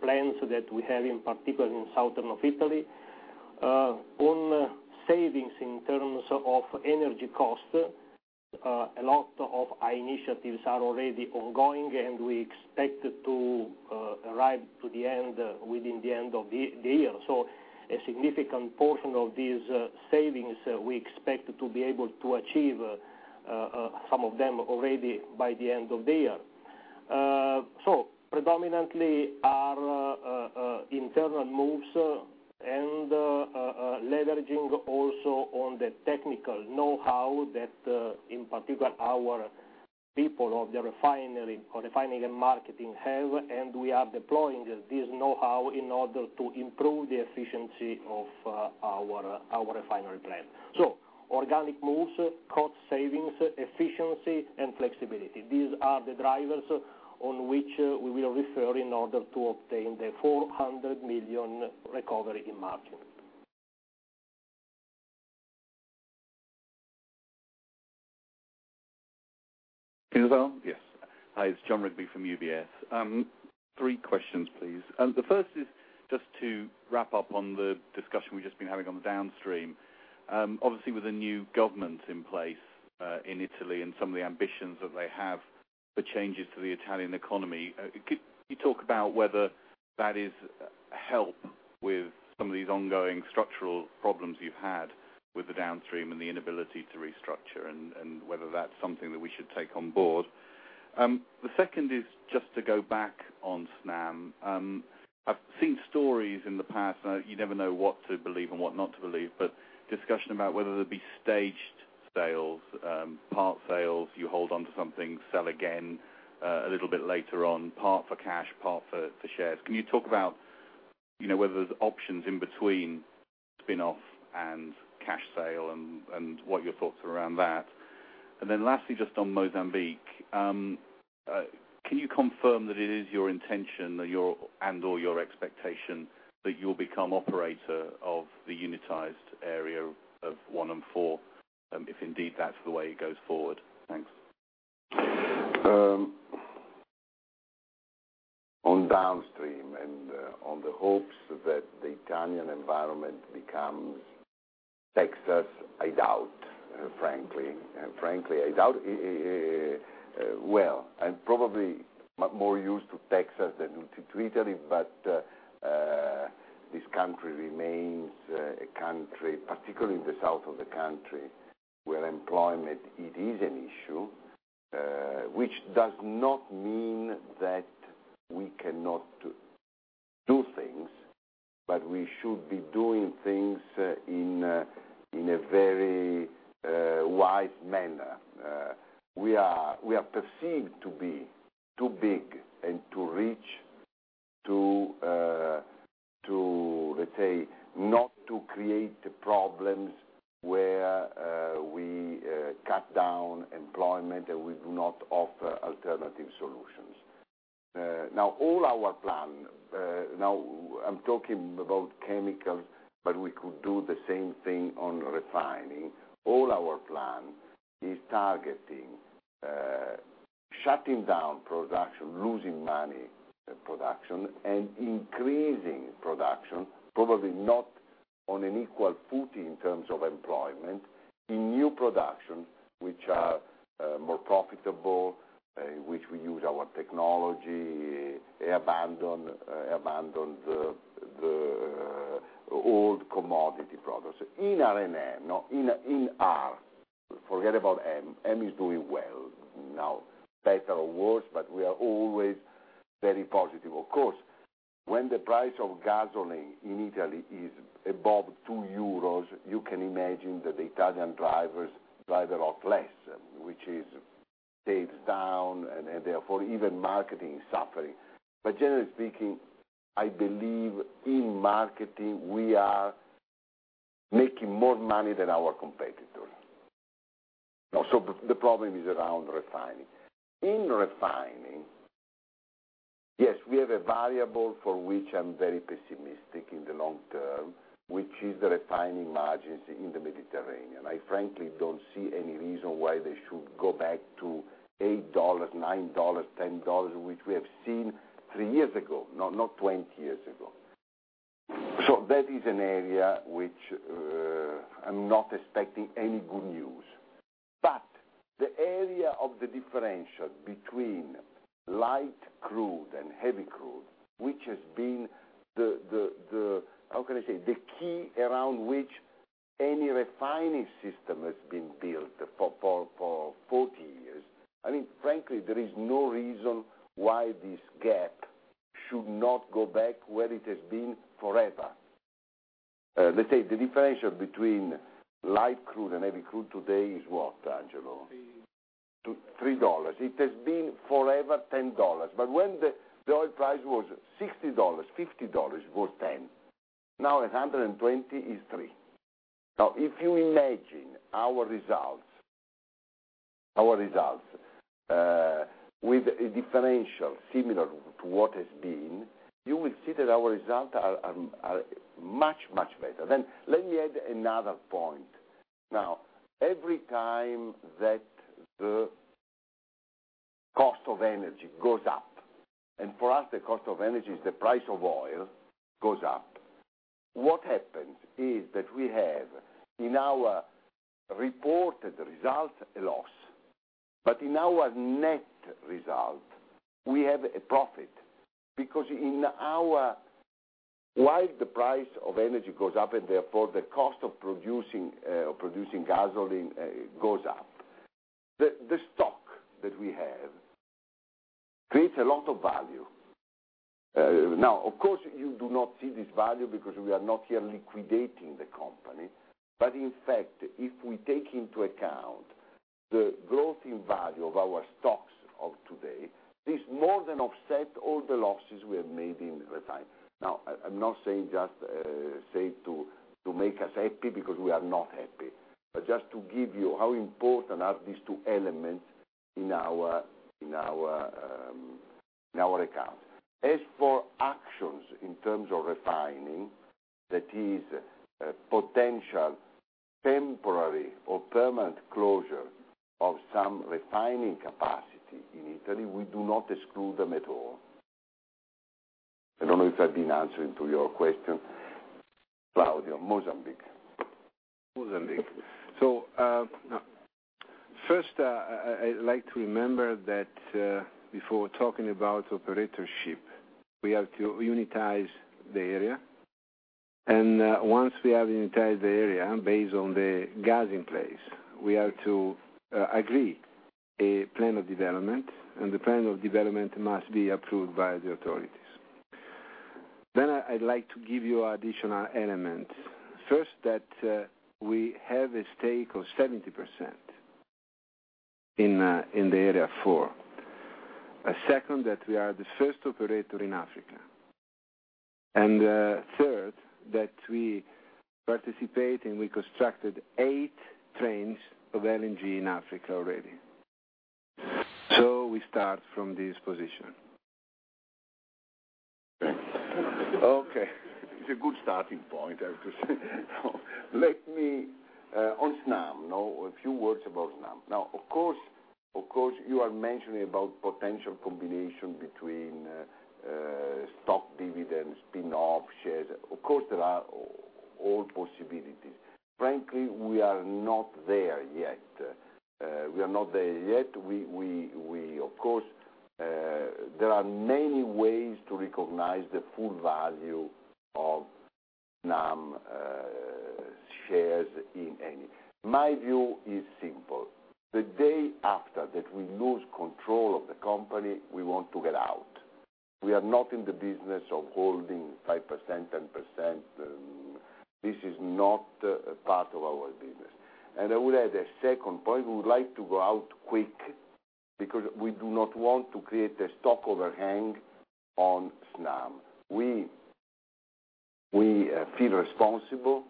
plants that we have, in particular in southern Italy, on savings in terms of energy costs. A lot of initiatives are already ongoing, and we expect to arrive to the end within the end of the year. A significant portion of these savings we expect to be able to achieve, some of them already by the end of the year. Predominantly, our internal moves and leveraging also on the technical know-how that, in particular, our people of the refinery and marketing have, and we are deploying this know-how in order to improve the efficiency of our refinery plant. Organic moves, cost savings, efficiency, and flexibility. These are the drivers on which we will refer in order to obtain the €400 million recovery in margin. Can you hear me? Yes. Hi. It's Jon Rigby from UBS. Three questions, please. The first is just to wrap up on the discussion we've just been having on the downstream. Obviously, with the new government in place in Italy and some of the ambitions that they have for changes to the Italian economy, could you talk about whether that is help with some of these ongoing structural problems you've had with the downstream and the inability to restructure and whether that's something that we should take on board? The second is just to go back on SNAM. I've seen stories in the past, and you never know what to believe and what not to believe, but discussion about whether there be staged sales, part sale, do you hold on to something, sell again a little bit later on, part for cash, part for shares. Can you talk about whether there's options in between spin-off and cash sale and what your thoughts are around that? Lastly, just on Mozambique, can you confirm that it is your intention and/or your expectation that you'll become operator of the unitized area of one and four, if indeed that's the way it goes forward? Thanks. On downstream and on the hopes that the Italian environment becomes Texas, I doubt, frankly. Frankly, I doubt it. I'm probably more used to Texas than to Italy, but this country remains a country, particularly in the south of the country, where employment is an issue, which does not mean that we cannot do things, but we should be doing things in a very wise manner. We are perceived to be too big and too rich to, let's say, not to create problems where we cut down employment and we do not offer alternative solutions. Now, all our plan, now I'm talking about chemicals, but we could do the same thing on refining. All our plan is targeting shutting down production, losing money production, and increasing production, probably not on an equal footing in terms of employment, in new production which are more profitable, in which we use our technology, abandoned old commodity products. In R&M, in R, forget about M. M is doing well. Now, better or worse, we are always very positive. Of course, when the price of gasoline in Italy is above €2, you can imagine that the Italian drivers drive a lot less, which saves down, and therefore, even marketing is suffering. Generally speaking, I believe in marketing, we are making more money than our competitors. The problem is around refining. In refining, yes, we have a variable for which I'm very pessimistic in the long term, which is the refining margins in the Mediterranean. I frankly don't see any reason why they should go back to $8, $9, $10, which we have seen three years ago, not 20 years ago. That is an area which I'm not expecting any good news. The area of the differential between light crude and heavy crude, which has been the, how can I say, the key around which any refining system has been built for 40 years, I mean, frankly, there is no reason why this gap should not go back where it has been forever. Let's say the differential between light crude and heavy crude today is what, Angelo? $3. $3. It has been forever $10. When the oil price was $60, $50 was 10. Now, at $120, it's 3. If you imagine our results, our results with a differential similar to what has been, you will see that our results are much, much better. Let me add another point. Every time that the cost of energy goes up, and for us, the cost of energy is the price of oil goes up, what happens is that we have in our reported result a loss. In our net result, we have a profit because while the price of energy goes up and therefore the cost of producing gasoline goes up, the stock that we have creates a lot of value. Of course, you do not see this value because we are not here liquidating the company. In fact, if we take into account the growth in value of our stocks of today, this more than offsets all the losses we have made in retirement. I'm not saying this just to make us happy because we are not happy, but just to give you how important these two elements are in our account. As for actions in terms of refining, that is a potential temporary or permanent closure of some refining capacity in Italy, we do not exclude them at all. I don't know if I've been answering to your question, Claudio. Mozambique. Mozambique. First, I'd like to remember that before talking about operatorship, we have to unitize the area. Once we have unitized the area based on the gas in place, we have to agree on a plan of development, and the plan of development must be approved by the authorities. I'd like to give you additional elements. First, we have a stake of 70% in area four. Second, we are the first operator in Africa. Third, we participate and we constructed eight trains of LNG in Africa already. We start from this position. Okay. It's a good starting point, I have to say. Let me, on SNAM, a few words about SNAM. Now, of course, you are mentioning about potential combination between stock, dividends, spin-off, shares. Of course, there are all possibilities. Frankly, we are not there yet. We are not there yet. Of course, there are many ways to recognize the full value of SNAM shares in Eni. My view is simple. The day after that we lose control of the company, we want to get out. We are not in the business of holding 5%, 10%. This is not part of our business. I would add a second point. We would like to go out quick because we do not want to create a stock overhang on SNAM. We feel responsible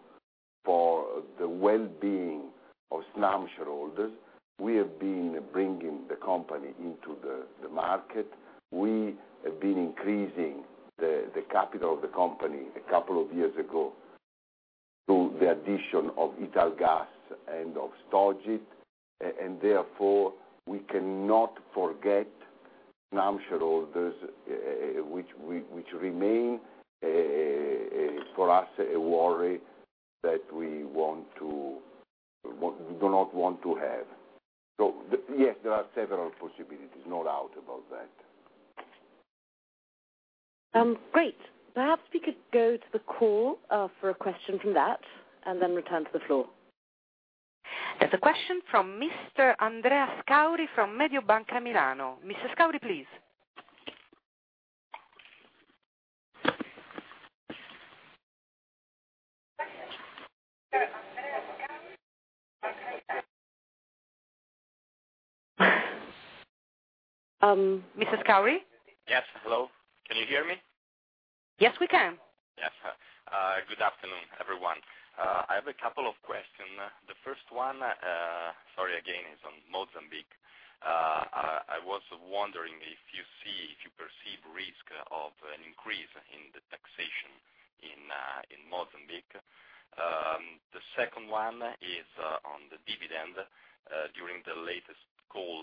for the well-being of SNAM shareholders. We have been bringing the company into the market. We have been increasing the capital of the company a couple of years ago through the addition of Italgas and of Stogit. Therefore, we cannot forget SNAM shareholders, which remain for us a worry that we do not want to have. Yes, there are several possibilities. No doubt about that. Great. Perhaps we could go to the call for a question from that and then return to the floor. There's a question from Mr. Andrea Scauri from Mediobanca Milano. Mr. Scauri, please. Mr. Scauri? Yes, hello. Can you hear me? Yes, we can. Yes. Good afternoon, everyone. I have a couple of questions. The first one is on Mozambique. I was wondering if you see, if you perceive risk of an increase in the taxation in Mozambique. The second one is on the dividend. During the latest call,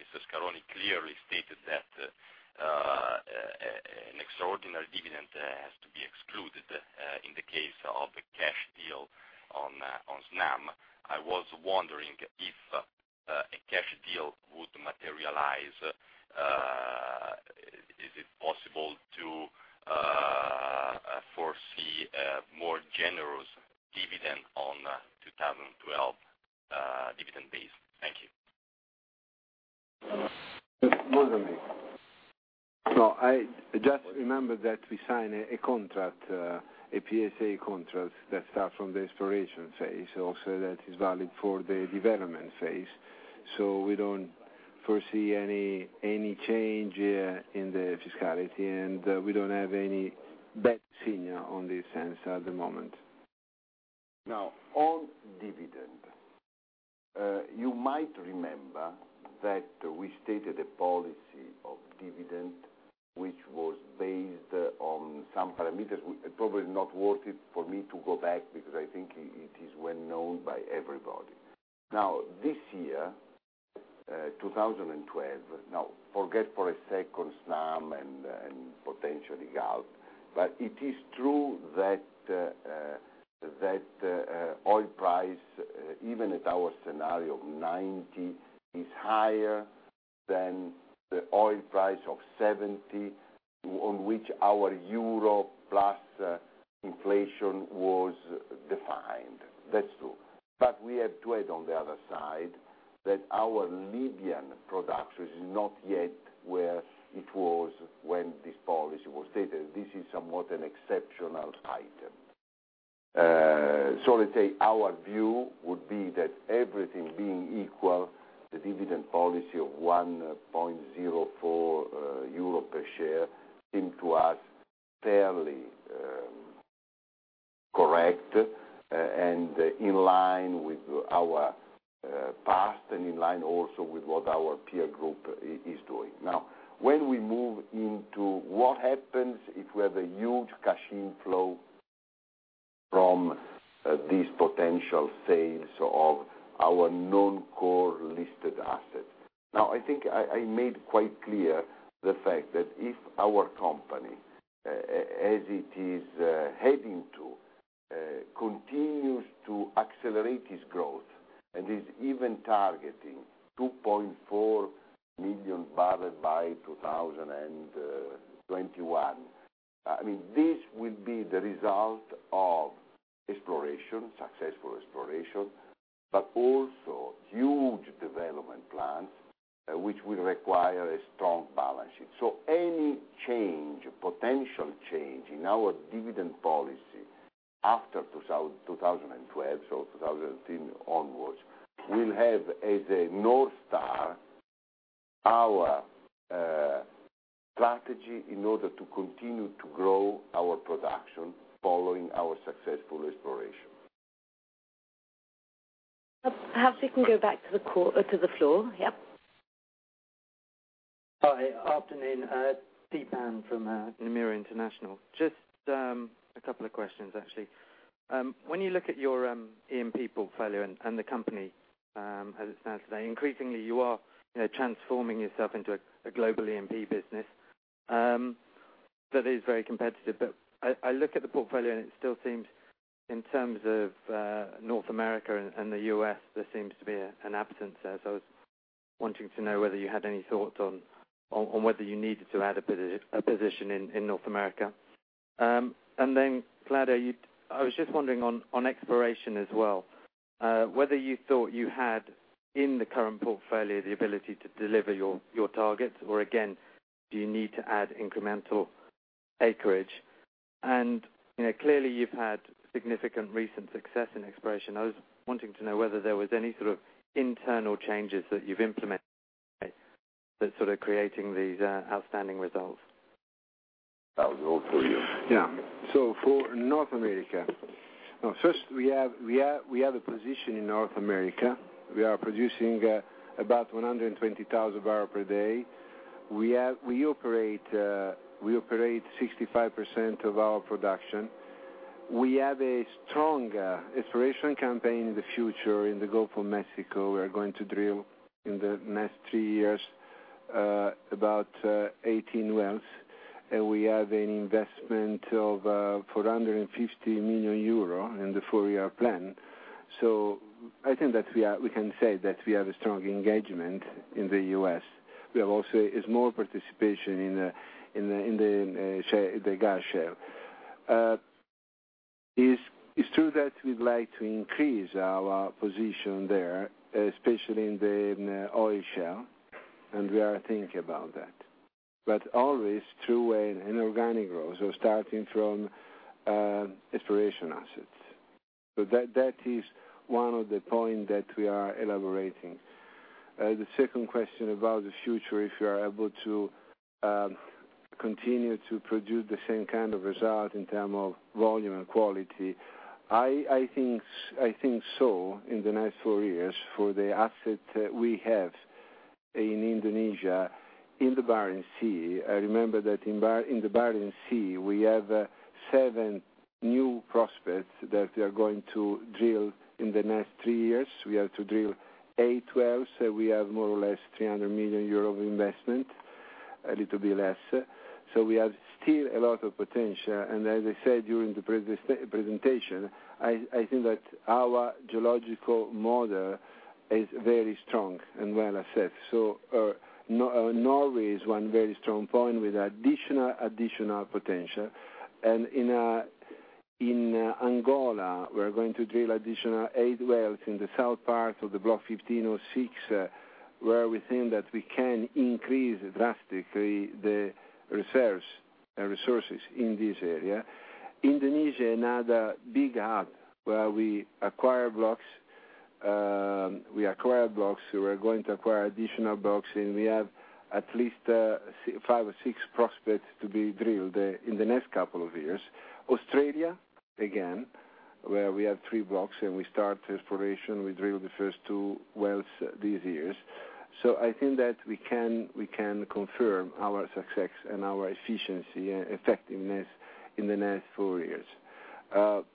Mr. Scaroni clearly stated that an extraordinary dividend has to be excluded in the case of a cash deal on SNAM. I was wondering if a cash deal would materialize. Is it possible to foresee a more generous dividend on 2012 dividend base? Thank you. Mozambique. I just remembered that we signed a contract, a PSA contract that starts from the exploration phase. Also, that is valid for the development phase. We don't foresee any change in the fiscality, and we don't have any bad signal on this sense at the moment. Now, on dividend, you might remember that we stated a policy of dividend which was based on some parameters. It's probably not worth it for me to go back because I think it is well known by everybody. Now, this year, 2012, now forget for a second SNAM and potentially GALP, but it is true that oil price, even at our scenario of $90, is higher than the oil price of $70 on which our euro plus inflation was defined. That's true. We have to add on the other side that our Libyan production is not yet where it was when this policy was stated. This is somewhat an exceptional item. Let's say our view would be that everything being equal, the dividend policy of €1.04 per share seemed to us fairly correct and in line with our past and in line also with what our peer group is doing. Now, when we move into what happens if we have a huge cash inflow from these potential sales of our non-core listed assets. I think I made quite clear the fact that if our company, as it is heading to, continues to accelerate its growth and is even targeting 2.4 million BOE by 2021. I mean, this will be the result of exploration, successful exploration, but also huge development plans which will require a strong balance sheet. Any change, potential change in our dividend policy after 2012, so 2013 onwards, will have as a North Star our strategy in order to continue to grow our production following our successful exploration. Perhaps we can go back to the call, to the floor. Yeah. Afternoon. Theepan from Nomura International. Just a couple of questions, actually. When you look at your E&P portfolio and the company as it stands today, increasingly, you are transforming yourself into a global E&P business that is very competitive. I look at the portfolio and it still seems, in terms of North America and the U.S., there seems to be an absence there. I was wanting to know whether you had any thoughts on whether you needed to add a position in North America. Claudio, I was just wondering on exploration as well, whether you thought you had, in the current portfolio, the ability to deliver your targets or, again, do you need to add incremental acreage? Clearly, you've had significant recent success in exploration. I was wanting to know whether there were any sort of internal changes that you've implemented that are creating these outstanding results. For North America, first, we have a position in North America. We are producing about 120,000 barrels per day. We operate 65% of our production. We have a strong exploration campaign in the future in the Gulf of Mexico. We are going to drill in the next three years about 18 wells. We have an investment of €450 million in the four-year plan. I think that we can say that we have a strong engagement in the U.S. We have also a small participation in the gas shale. It's true that we'd like to increase our position there, especially in the oil shale, and we are thinking about that. Always through organic growth, starting from exploration assets. That is one of the points that we are elaborating. The second question about the future, if you are able to continue to produce the same kind of result in terms of volume and quality, I think so in the next four years for the asset we have in Indonesia and the Barents Sea. I remember that in the Barents Sea, we have seven new prospects that we are going to drill in the next three years. We have to drill eight wells. We have more or less €300 million of investment, a little bit less. We have still a lot of potential. As I said during the presentation, I think that our geological model is very strong and well assessed. Norway is one very strong point with additional potential. In Angola, we're going to drill additional eight wells in the south part of Block 15/06 where we think that we can increase drastically the resources in this area. Indonesia is another big hub where we acquire blocks. We acquire blocks. We're going to acquire additional blocks, and we have at least five or six prospects to be drilled in the next couple of years. Australia, again, where we have three blocks and we start exploration, we drill the first two wells these years. I think that we can confirm our success and our efficiency and effectiveness in the next four years.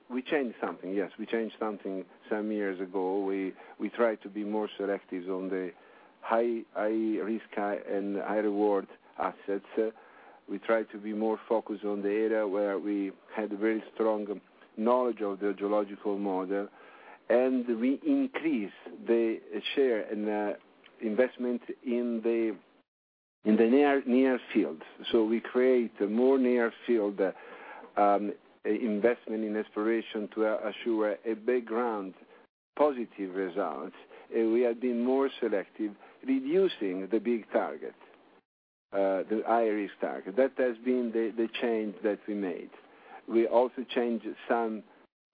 We changed something. Yes, we changed something some years ago. We tried to be more selective on the high-risk and high-reward assets. We tried to be more focused on the area where we had a very strong knowledge of the geological model. We increased the share and investment in the near field. We create a more near-field investment in exploration to assure a background positive result. We have been more selective, reducing the big target, the high-risk target. That has been the change that we made. We also changed some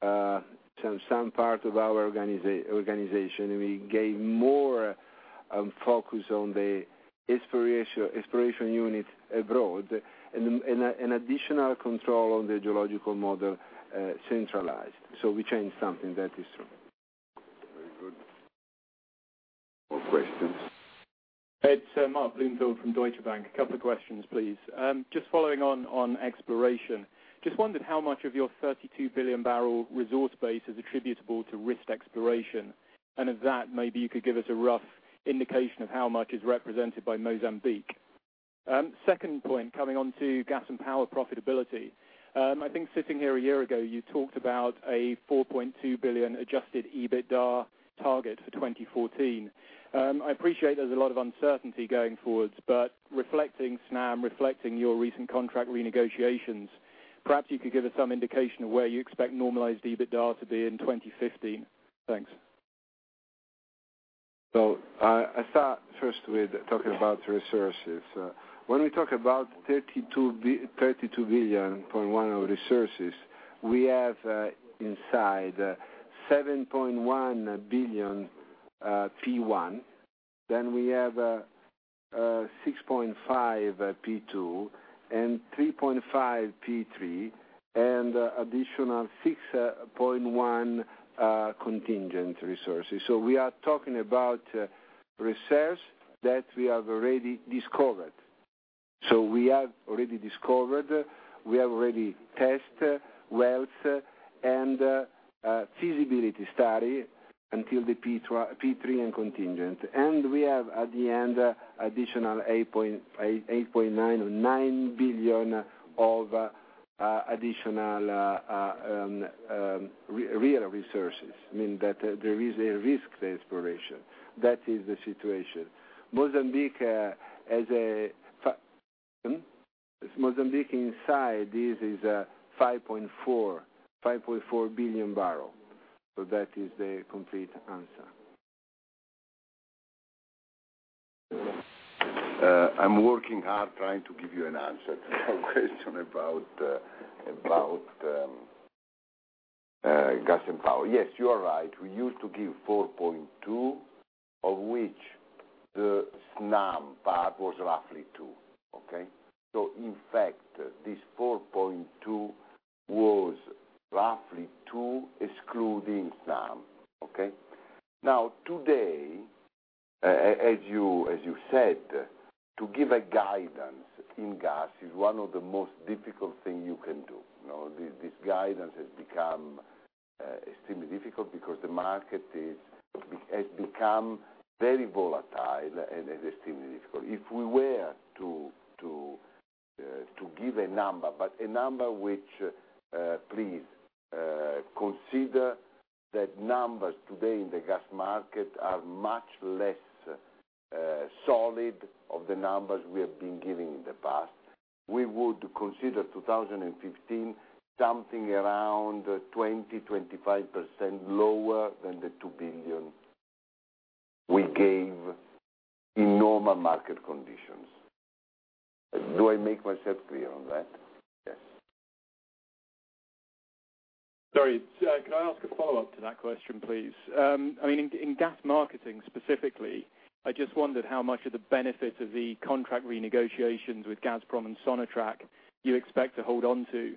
part of our organization. We gave more focus on the exploration unit abroad and additional control on the geological model centralized. We changed something. That is true. Very good. More questions? It's Mark Blindfield from Deutsche Bank. A couple of questions, please. Just following on exploration. Just wondered how much of your 32 billion barrel resource base is attributable to risk exploration. If that, maybe you could give us a rough indication of how much is represented by Mozambique. Second point, coming on to gas and power profitability. I think sitting here a year ago, you talked about a $4.2 billion adjusted EBITDA target for 2014. I appreciate there's a lot of uncertainty going forwards, but reflecting SNAM, reflecting your recent contract renegotiations, perhaps you could give us some indication of where you expect normalized EBITDA to be in 2015. Thanks. I start first with talking about resources. When we talk about 32.1 billion of resources, we have inside 7.1 billion P1. We have 6.5 P2 and 3.5 P3 and additional 6.1 contingent resources. We are talking about resources that we have already discovered. We have already discovered, we have already tested well and feasibility study until the P3 and contingent. We have, at the end, additional 8.9 or 9 billion of additional real resources. I mean, that there is a risk to exploration. That is the situation. Mozambique inside this is 5.4 billion barrel. That is the complete answer. I'm working hard trying to give you an answer to your question about gas and power. Yes, you are right. We used to give $4.2 billion, of which the SNAM part was roughly $2 billion. Okay? In fact, this $4.2 billion was roughly $2 billion excluding SNAM. Okay? Now, today, as you said, to give a guidance in gas is one of the most difficult things you can do. This guidance has become extremely difficult because the market has become very volatile and extremely difficult. If we were to give a number, but a number which, please, consider that numbers today in the gas market are much less solid than the numbers we have been giving in the past, we would consider 2015 something around 20% to 25% lower than the $2 billion we gave in normal market conditions. Do I make myself clear on that? Yeah. Sorry. Can I ask a follow-up to that question, please? I mean, in gas marketing specifically, I just wondered how much of the benefit of the contract renegotiations with Gazprom and Sonatrach you expect to hold on to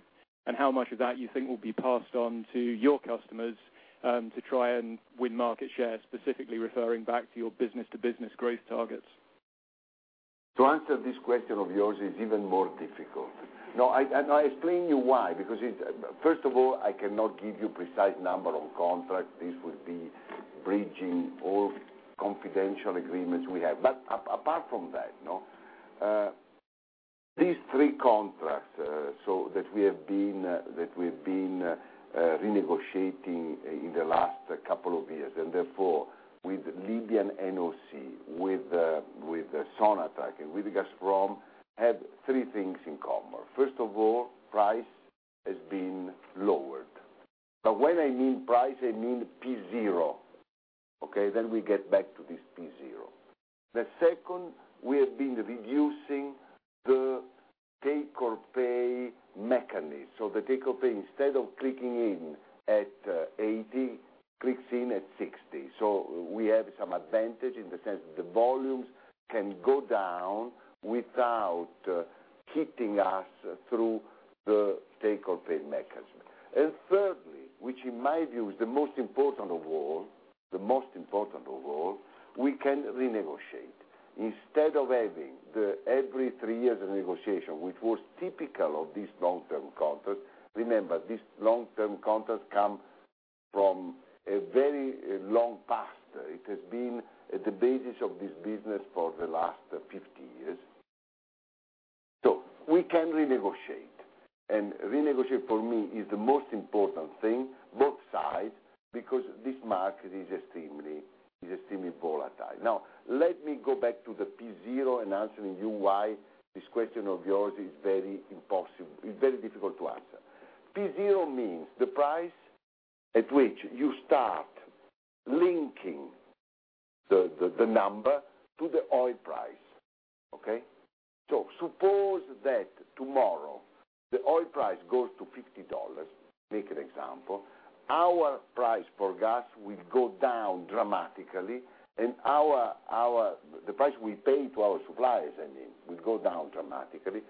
and how much of that you think will be passed on to your customers to try and win market share, specifically referring back to your business-to-business growth targets? To answer this question of yours is even more difficult. No, I explain to you why, because first of all, I cannot give you a precise number of contracts. This would be bridging all confidential agreements we have. Apart from that, these three contracts that we have been renegotiating in the last couple of years, with Libyan NOC, with Sonatrach, and with Gazprom, have three things in common. First of all, price has been lowered. When I mean price, I mean P0. Okay? We get back to this P0. Second, we have been reducing the take or pay mechanism. The take or pay, instead of clicking in at 80, clicks in at 60. We have some advantage in the sense that the volumes can go down without hitting us through the take or pay mechanism. Thirdly, which in my view is the most important of all, we can renegotiate. Instead of having every three years of renegotiation, which was typical of this long-term contract. Remember, this long-term contract comes from a very long past. It has been the basis of this business for the last 50 years. We can renegotiate. Renegotiate, for me, is the most important thing, both sides, because this market is extremely volatile. Now, let me go back to the P0 and answer you why this question of yours is very impossible, is very difficult to answer. P0 means the price at which you start linking the number to the oil price. Okay? Suppose that tomorrow the oil price goes to $50, make an example, our price for gas will go down dramatically, and the price we pay to our suppliers, I mean, will go down dramatically.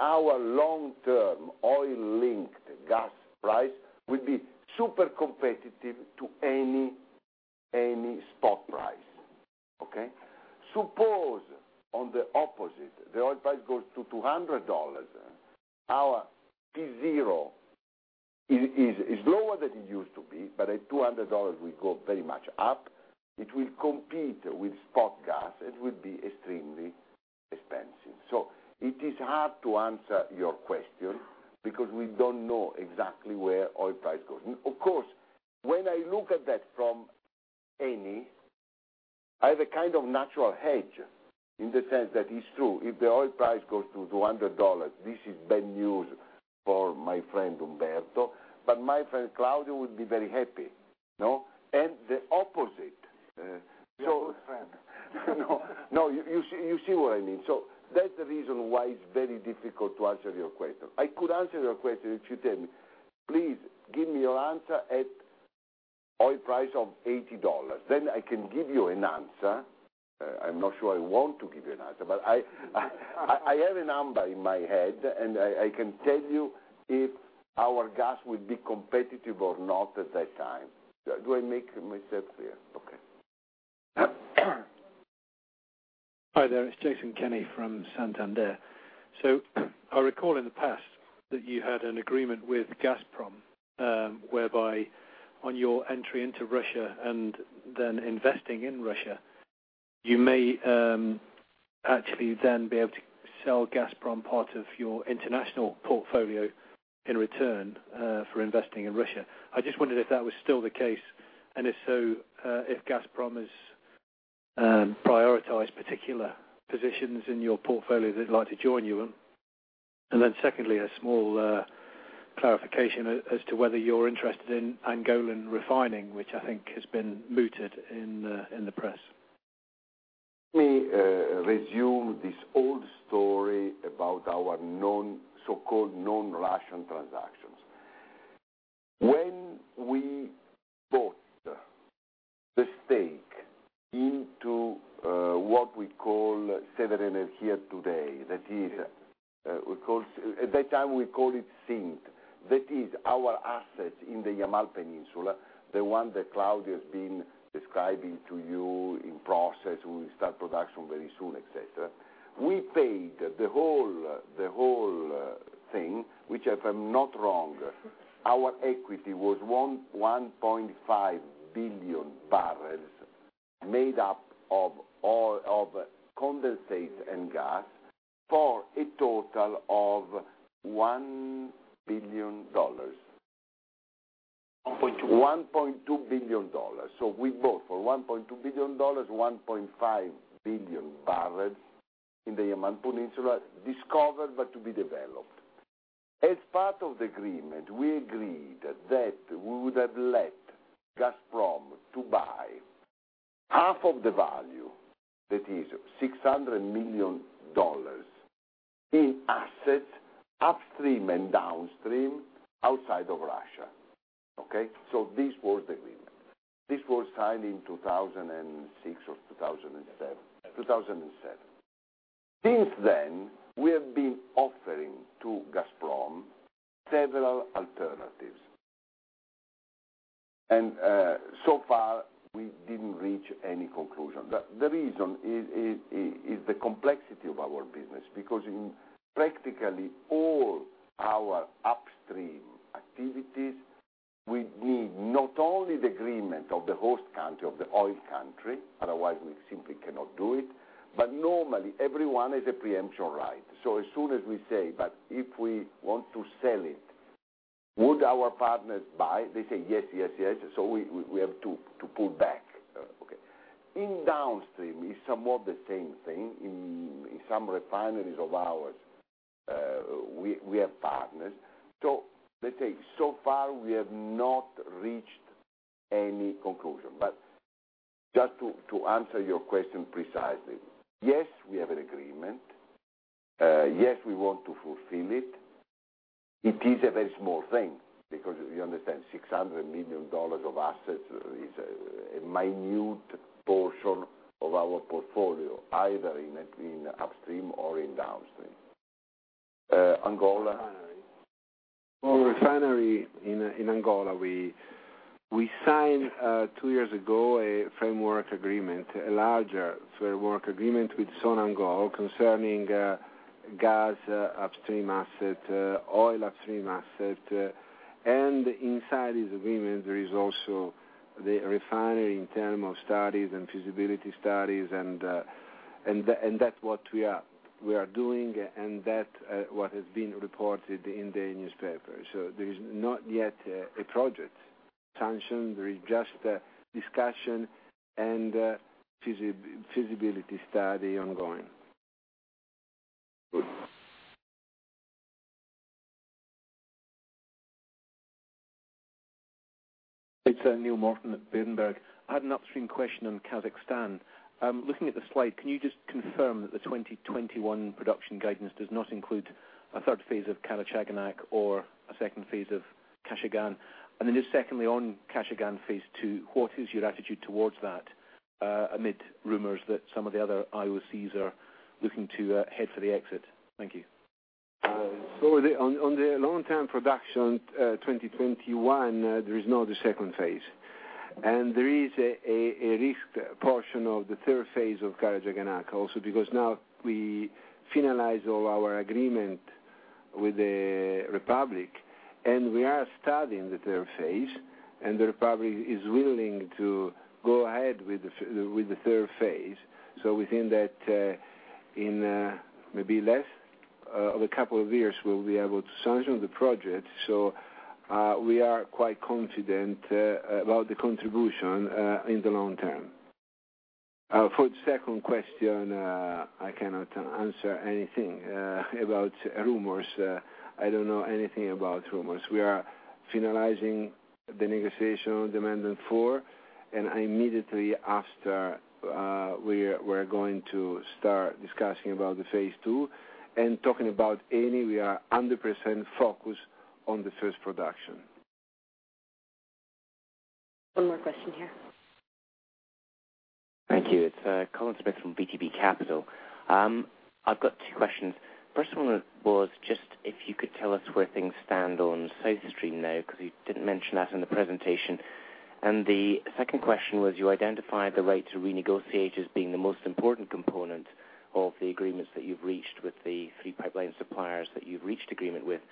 Our long-term oil-linked gas price will be super competitive to any stock price. Okay? Suppose on the opposite, the oil price goes to $200. Our P0 is lower than it used to be, but at $200, we go very much up. It will compete with spot gas and will be extremely expensive. It is hard to answer your question because we don't know exactly where oil price goes. Of course, when I look at that from Eni, I have a kind of natural hedge in the sense that it's true. If the oil price goes to $200, this is bad news for my friend Umberto, but my friend Claudio would be very happy. No. And the opposite. He's a good friend. You see what I mean. That's the reason why it's very difficult to answer your question. I could answer your question if you tell me, please give me your answer at oil price of $80. I can give you an answer. I'm not sure I want to give you an answer, but I have a number in my head and I can tell you if our gas will be competitive or not at that time. Do I make myself clear? Hi there. It's Jason Kenny from Santander. I recall in the past that you had an agreement with Gazprom whereby on your entry into Russia and then investing in Russia, you may actually then be able to sell Gazprom part of your international portfolio in return for investing in Russia. I just wondered if that was still the case. If so, if Gazprom has prioritized particular positions in your portfolio that they'd like to join you in. Secondly, a small clarification as to whether you're interested in Angolan refining, which I think has been mooted in the press. Let me resume this old story about our so-called non-Russian transactions. When we bought the stake into what we call Sever Energy here today, that is, at that time, we called it SINT. That is our assets in the Yamal Peninsula, the one that Claudio has been describing to you in process. We will start production very soon, etc. We paid the whole thing, which, if I'm not wrong, our equity was 1.5 billion BOE made up of condensate and gas for a total of $1 billion. $1.2 billion. $1.2 billion. We bought for $1.2 billion, 1.5 billion barrels in the Yamal Peninsula, discovered but to be developed. As part of the agreement, we agreed that we would have let Gazprom buy half of the value, that is $600 million, in assets upstream and downstream outside of Russia. This was the agreement. This was signed in 2006 or 2007. Since then, we have been offering to Gazprom several alternatives. So far, we didn't reach any conclusion. The reason is the complexity of our business because in practically all our upstream activities, we need not only the agreement of the host country, of the oil country, otherwise we simply cannot do it, but normally everyone has a preemption right. As soon as we say, "But if we want to sell it, would our partners buy?" they say, "Yes, yes, yes." We have to pull back. In downstream, it's somewhat the same thing. In some refineries of ours, we have partners. Let's say so far, we have not reached any conclusion. Just to answer your question precisely, yes, we have an agreement. Yes, we want to fulfill it. It is a very small thing because you understand, $600 million of assets is a minute portion of our portfolio, either in upstream or in downstream. Angola. For refinery in Angola, we signed two years ago a framework agreement, a larger framework agreement with Sonangol concerning gas upstream assets, oil upstream assets. Inside this agreement, there is also the refinery in terms of studies and feasibility studies. That's what we are doing and that's what has been reported in the newspaper. There is not yet a project sanctioned. There is just a discussion and a feasibility study ongoing. It's Neil Morton at Badenberg. I had an upstream question on Kazakhstan. I'm looking at the slide. Can you just confirm that the 2021 production guidance does not include a third phase of Karachaganak or a second phase of Kashagan? Then just secondly, on Kashagan phase two, what is your attitude towards that amid rumors that some of the other IOCs are looking to head for the exit? Thank you. On the long-term production 2021, there is not a second phase. There is a risk portion of the third phase of Karachaganak also because now we finalize all our agreement with the Republic. We are starting the third phase, and the Republic is willing to go ahead with the third phase. We think that in maybe less of a couple of years, we'll be able to sanction the project. We are quite confident about the contribution in the long term. For the second question, I cannot answer anything about rumors. I don't know anything about rumors. We are finalizing the negotiation of the amendment four, and immediately after, we're going to start discussing about the phase two. Talking about Eni, we are 100% focused on the first production. One more question here. Thank you. It's Colin Smith from VTB Capital. I've got two questions. The first one was just if you could tell us where things stand on South Stream now because you didn't mention that in the presentation. The second question was you identified the right to renegotiate as being the most important component of the agreements that you've reached with the three pipeline suppliers that you've reached agreement with.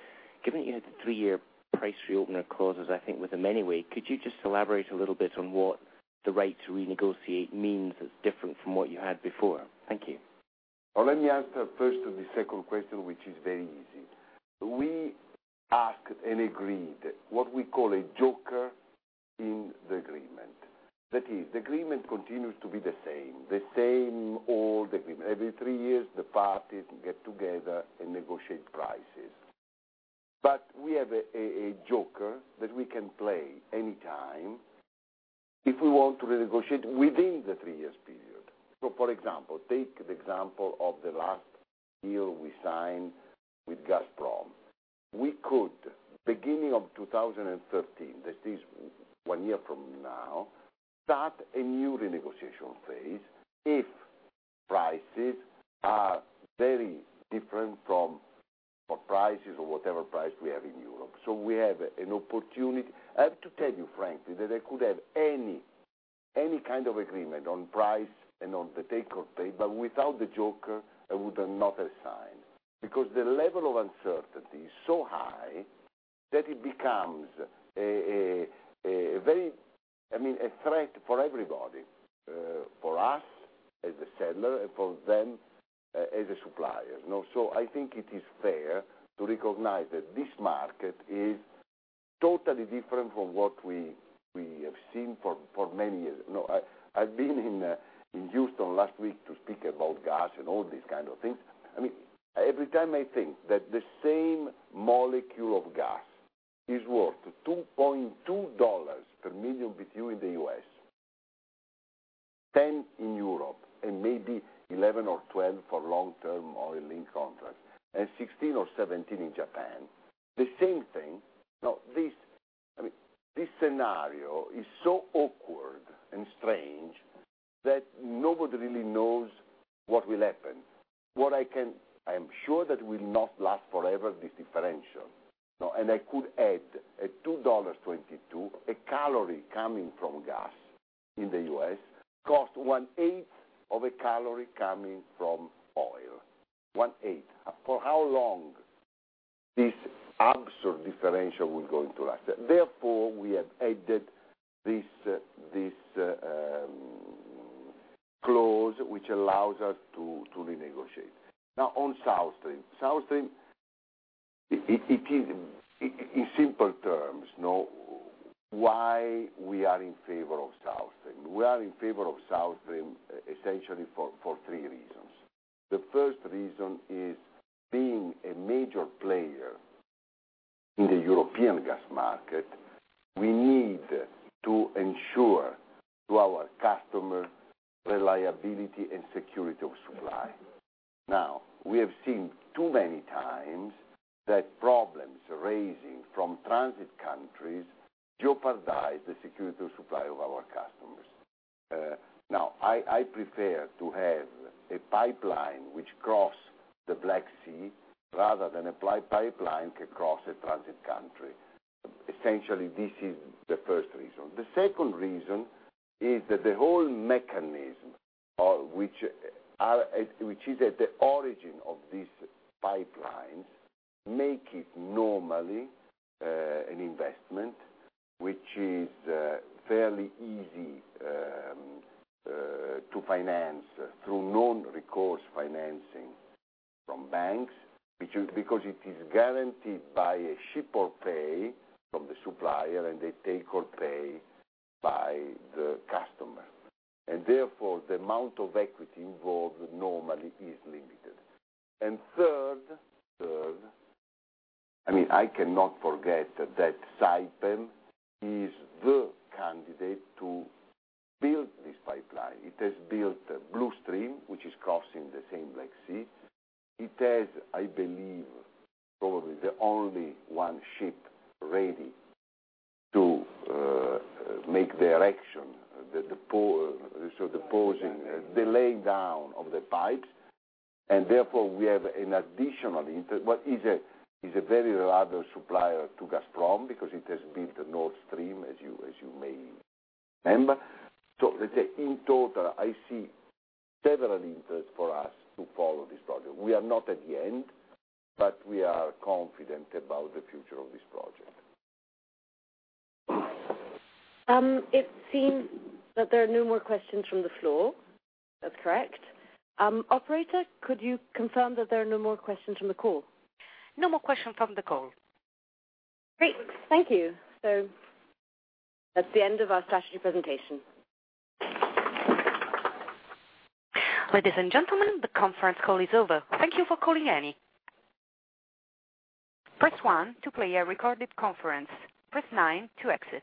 Given that you had the three-year price reopener clauses, I think with them anyway, could you just elaborate a little bit on what the right to renegotiate means that's different from what you had before? Thank you. Let me answer first to the second question, which is very easy. We asked and agreed what we call a joker in the agreement. That is, the agreement continues to be the same, the same old agreement. Every three years, the parties get together and negotiate prices. We have a joker that we can play anytime if we want to renegotiate within the three-year period. For example, take the example of the last deal we signed with Gazprom. We could, beginning of 2013, that is one year from now, start a new renegotiation phase if prices are very different from prices or whatever price we have in Europe. We have an opportunity. I have to tell you frankly that I could have any kind of agreement on price and on the take or pay, but without the joker, I would not have signed because the level of uncertainty is so high that it becomes a threat for everybody, for us as the seller and for them as a supplier. I think it is fair to recognize that this market is totally different from what we have seen for many years. I've been in Houston last week to speak about gas and all these kinds of things. Every time I think that the same molecule of gas is worth $2.2 per million BTU in the U.S., $10 in Europe, and maybe $11 or $12 for long-term oil-linked contracts, and $16 or $17 in Japan, the same thing. This scenario is so awkward and strange that nobody really knows what will happen. I am sure that will not last forever, this differential. I could add at $2.22, a calorie coming from gas in the U.S. costs one-eighth of a calorie coming from oil. One-eighth. For how long this absurd differential will last? Therefore, we have added this clause which allows us to renegotiate. Now, on South Stream, South Stream, in simple terms, why we are in favor of South Stream? We are in favor of South Stream essentially for three reasons. The first reason is being a major player in the European gas market, we need to ensure to our customer reliability and security of supply. We have seen too many times that problems raising from transit countries jeopardize the security of supply of our customers. I prefer to have a pipeline which crosses the Black Sea rather than a pipeline that crosses a transit country. Essentially, this is the first reason. The second reason is that the whole mechanism, which is at the origin of these pipelines, makes it normally an investment which is fairly easy to finance through non-recourse financing from banks because it is guaranteed by a ship or pay from the supplier and a take or pay by the customer. Therefore, the amount of equity involved normally is limited. Third, I cannot forget that Saipem is the candidate to build this pipeline. It has built Blue Stream, which is crossing the same Black Sea. It has, I believe, probably the only one ship ready to make the erection, the laying down of the pipes. Therefore, we have an additional interest. It is a very reliable supplier to Gazprom because it has built a North Stream, as you may remember. In total, I see several interests for us to follow this project. We are not at the end, but we are confident about the future of this project. It seems that there are no more questions from the floor. That's correct. Operator, could you confirm that there are no more questions from the call? No more questions from the call. Great, thank you. That's the end. Let's Start your presentation. Ladies and gentlemen, the conference call is over. Thank you for calling Eni. Press one to play a recorded conference. Press nine to exit.